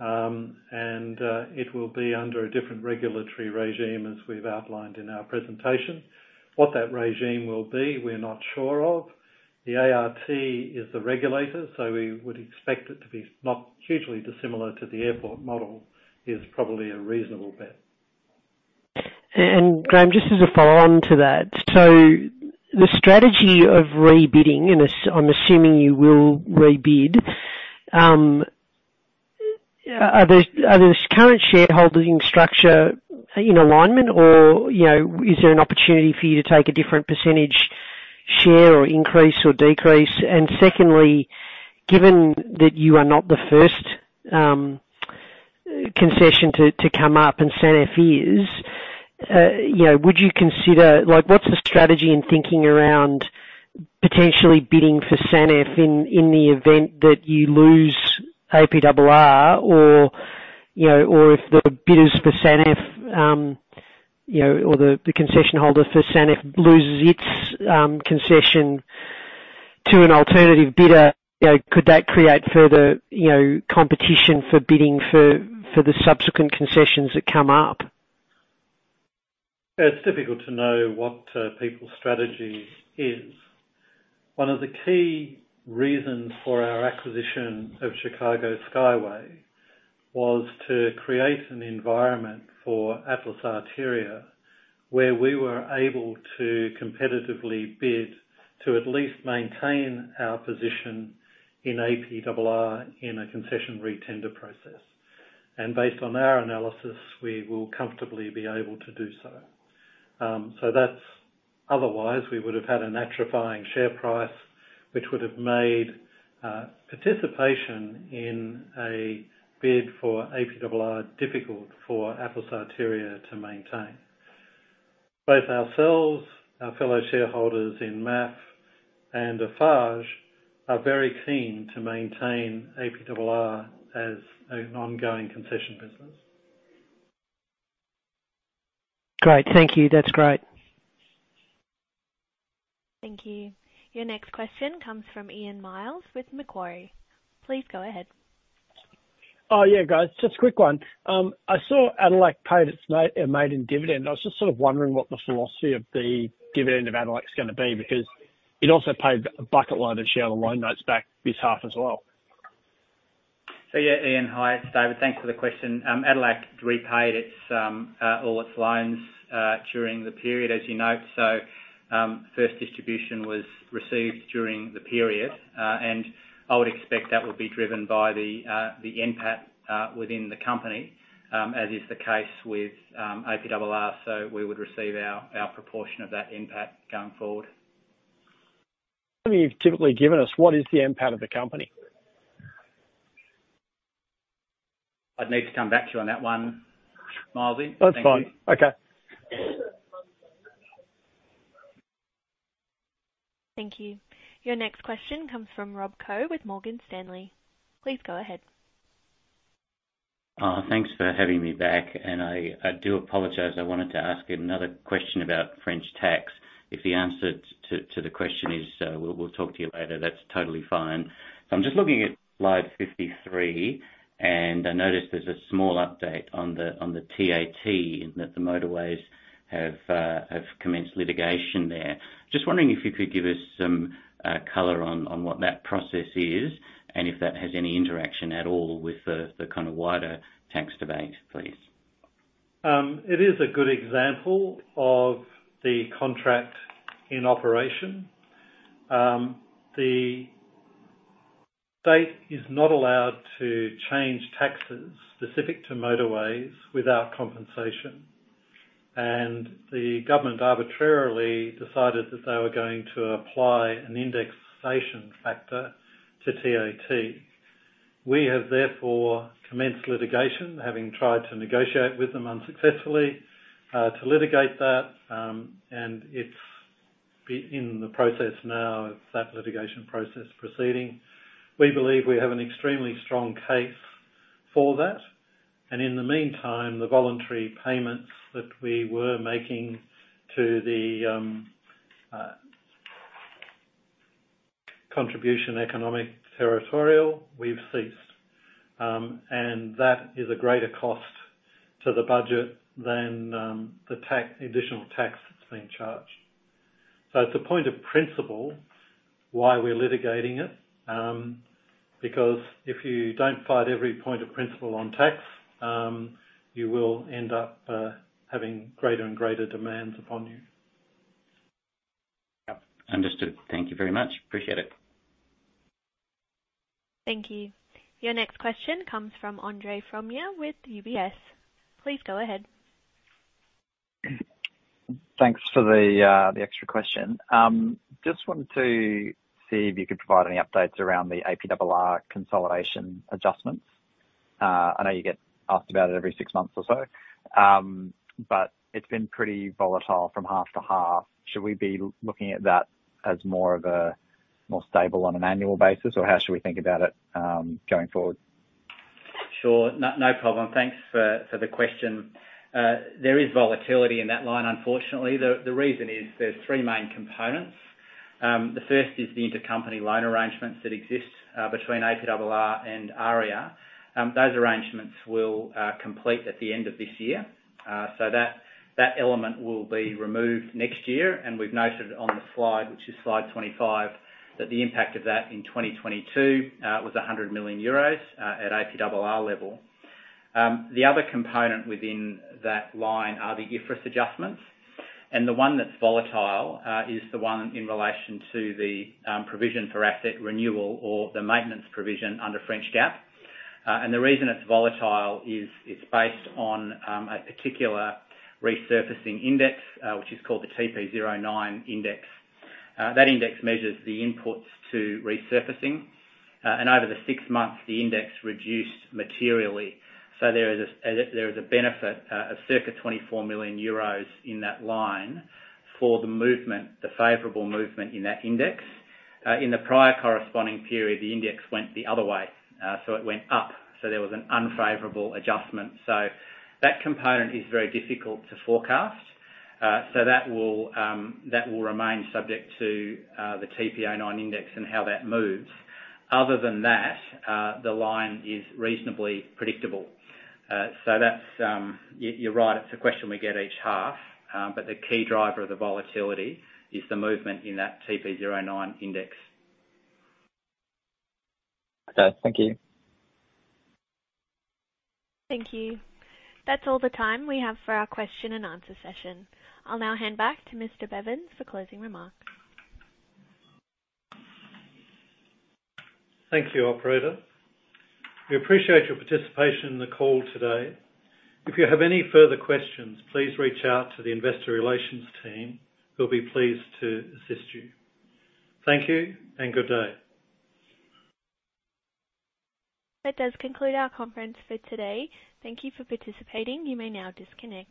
and it will be under a different regulatory regime, as we've outlined in our presentation. What that regime will be, we're not sure of. The ART is the regulator, so we would expect it to be not hugely dissimilar to the airport model. Is probably a reasonable bet. And Graham, just as a follow-on to that: so the strategy of rebidding, and assuming you will rebid, are the current shareholders in structure in alignment or, you know, is there an opportunity for you to take a different percentage share or increase or decrease? And secondly, given that you are not the first concession to come up and Sanef is, you know, would you consider—like, what's the strategy in thinking around potentially bidding for Sanef in the event that you lose APRR or, you know, or if the bidders for Sanef, you know, or the concession holder for Sanef loses its concession to an alternative bidder, you know, could that create further, you know, competition for bidding for the subsequent concessions that come up? It's difficult to know what people's strategy is. One of the key reasons for our acquisition of Chicago Skyway was to create an environment for Atlas Arteria, where we were able to competitively bid to at least maintain our position in APRR in a concession re-tender process. Based on our analysis, we will comfortably be able to do so. Otherwise, we would have had a diluting share price, which would have made participation in a bid for APRR difficult for Atlas Arteria to maintain. Both ourselves, our fellow shareholders in MAF and Afari are very keen to maintain APRR as an ongoing concession business. Great. Thank you. That's great. Thank you. Your next question comes from Ian Myles with Macquarie. Please go ahead. Oh, yeah, guys, just a quick one. I saw ADELAC paid its maiden dividend. I was just sort of wondering what the philosophy of the dividend of ADELAC is gonna be, because it also paid a bucket load of share and loan notes back this half as well. So, yeah, Ian, hi, it's David. Thanks for the question. Afari repaid all its loans during the period, as you note. So, first distribution was received during the period, and I would expect that will be driven by the NPAT within the company, as is the case with APRR. So we would receive our proportion of that NPAT going forward. You've typically given us, what is the NPAT of the company? I'd need to come back to you on that one, Myles. That's fine. Okay. Thank you. Your next question comes from Rob Koh with Morgan Stanley. Please go ahead. Thanks for having me back, and I do apologize. I wanted to ask you another question about French tax. If the answer to the question is, "We'll talk to you later," that's totally fine. So I'm just looking at slide 53, and I noticed there's a small update on the TAT, and that the motorways have commenced litigation there. Just wondering if you could give us some color on what that process is, and if that has any interaction at all with the kind of wider tax debate, please. It is a good example of the contract in operation. The state is not allowed to change taxes specific to motorways without compensation, and the government arbitrarily decided that they were going to apply an indexation factor to TAT. We have therefore commenced litigation, having tried to negotiate with them unsuccessfully, to litigate that, and it's in the process now, it's that litigation process proceeding. We believe we have an extremely strong case for that, and in the meantime, the voluntary payments that we were making to the Contribution Économique Territoriale, we've ceased. That is a greater cost to the budget than the tax, additional tax that's being charged. It's a point of principle why we're litigating it, because if you don't fight every point of principle on tax, you will end up having greater and greater demands upon you. Yep. Understood. Thank you very much. Appreciate it. Thank you. Your next question comes from Andre Fromyhr with UBS. Please go ahead. Thanks for the extra question. Just wanted to see if you could provide any updates around the APRR consolidation adjustments. I know you get asked about it every six months or so, but it's been pretty volatile from half to half. Should we be looking at that as more of a more stable on an annual basis, or how should we think about it, going forward? Sure. No problem. Thanks for the question. There is volatility in that line unfortunately. The reason is there's three main components. The first is the intercompany loan arrangements that exist between APRR and AREA. Those arrangements will complete at the end of this year. So that element will be removed next year, and we've noted on the slide, which is slide 25, that the impact of that in 2022 was 100 million euros at APRR level. The other component within that line are the IFRS adjustments, and the one that's volatile is the one in relation to the provision for asset renewal or the maintenance provision under French GAAP. And the reason it's volatile is it's based on a particular resurfacing index, which is called the TP09 index. That index measures the inputs to resurfacing. And over the six months, the index reduced materially. So there is a benefit of circa 24 million euros in that line for the movement, the favorable movement in that index. In the prior corresponding period, the index went the other way, so it went up, so there was an unfavorable adjustment. So that component is very difficult to forecast. So that will remain subject to the TP09 index and how that moves. Other than that, the line is reasonably predictable. So that's, you're right, it's a question we get each half, but the key driver of the volatility is the movement in that TP09 index. Okay, thank you. Thank you. That's all the time we have for our question and answer session. I'll now hand back to Mr. Bevans for closing remarks. Thank you, Operator. We appreciate your participation in the call today. If you have any further questions, please reach out to the investor relations team who'll be pleased to assist you. Thank you and good day. That does conclude our conference for today. Thank you for participating. You may now disconnect.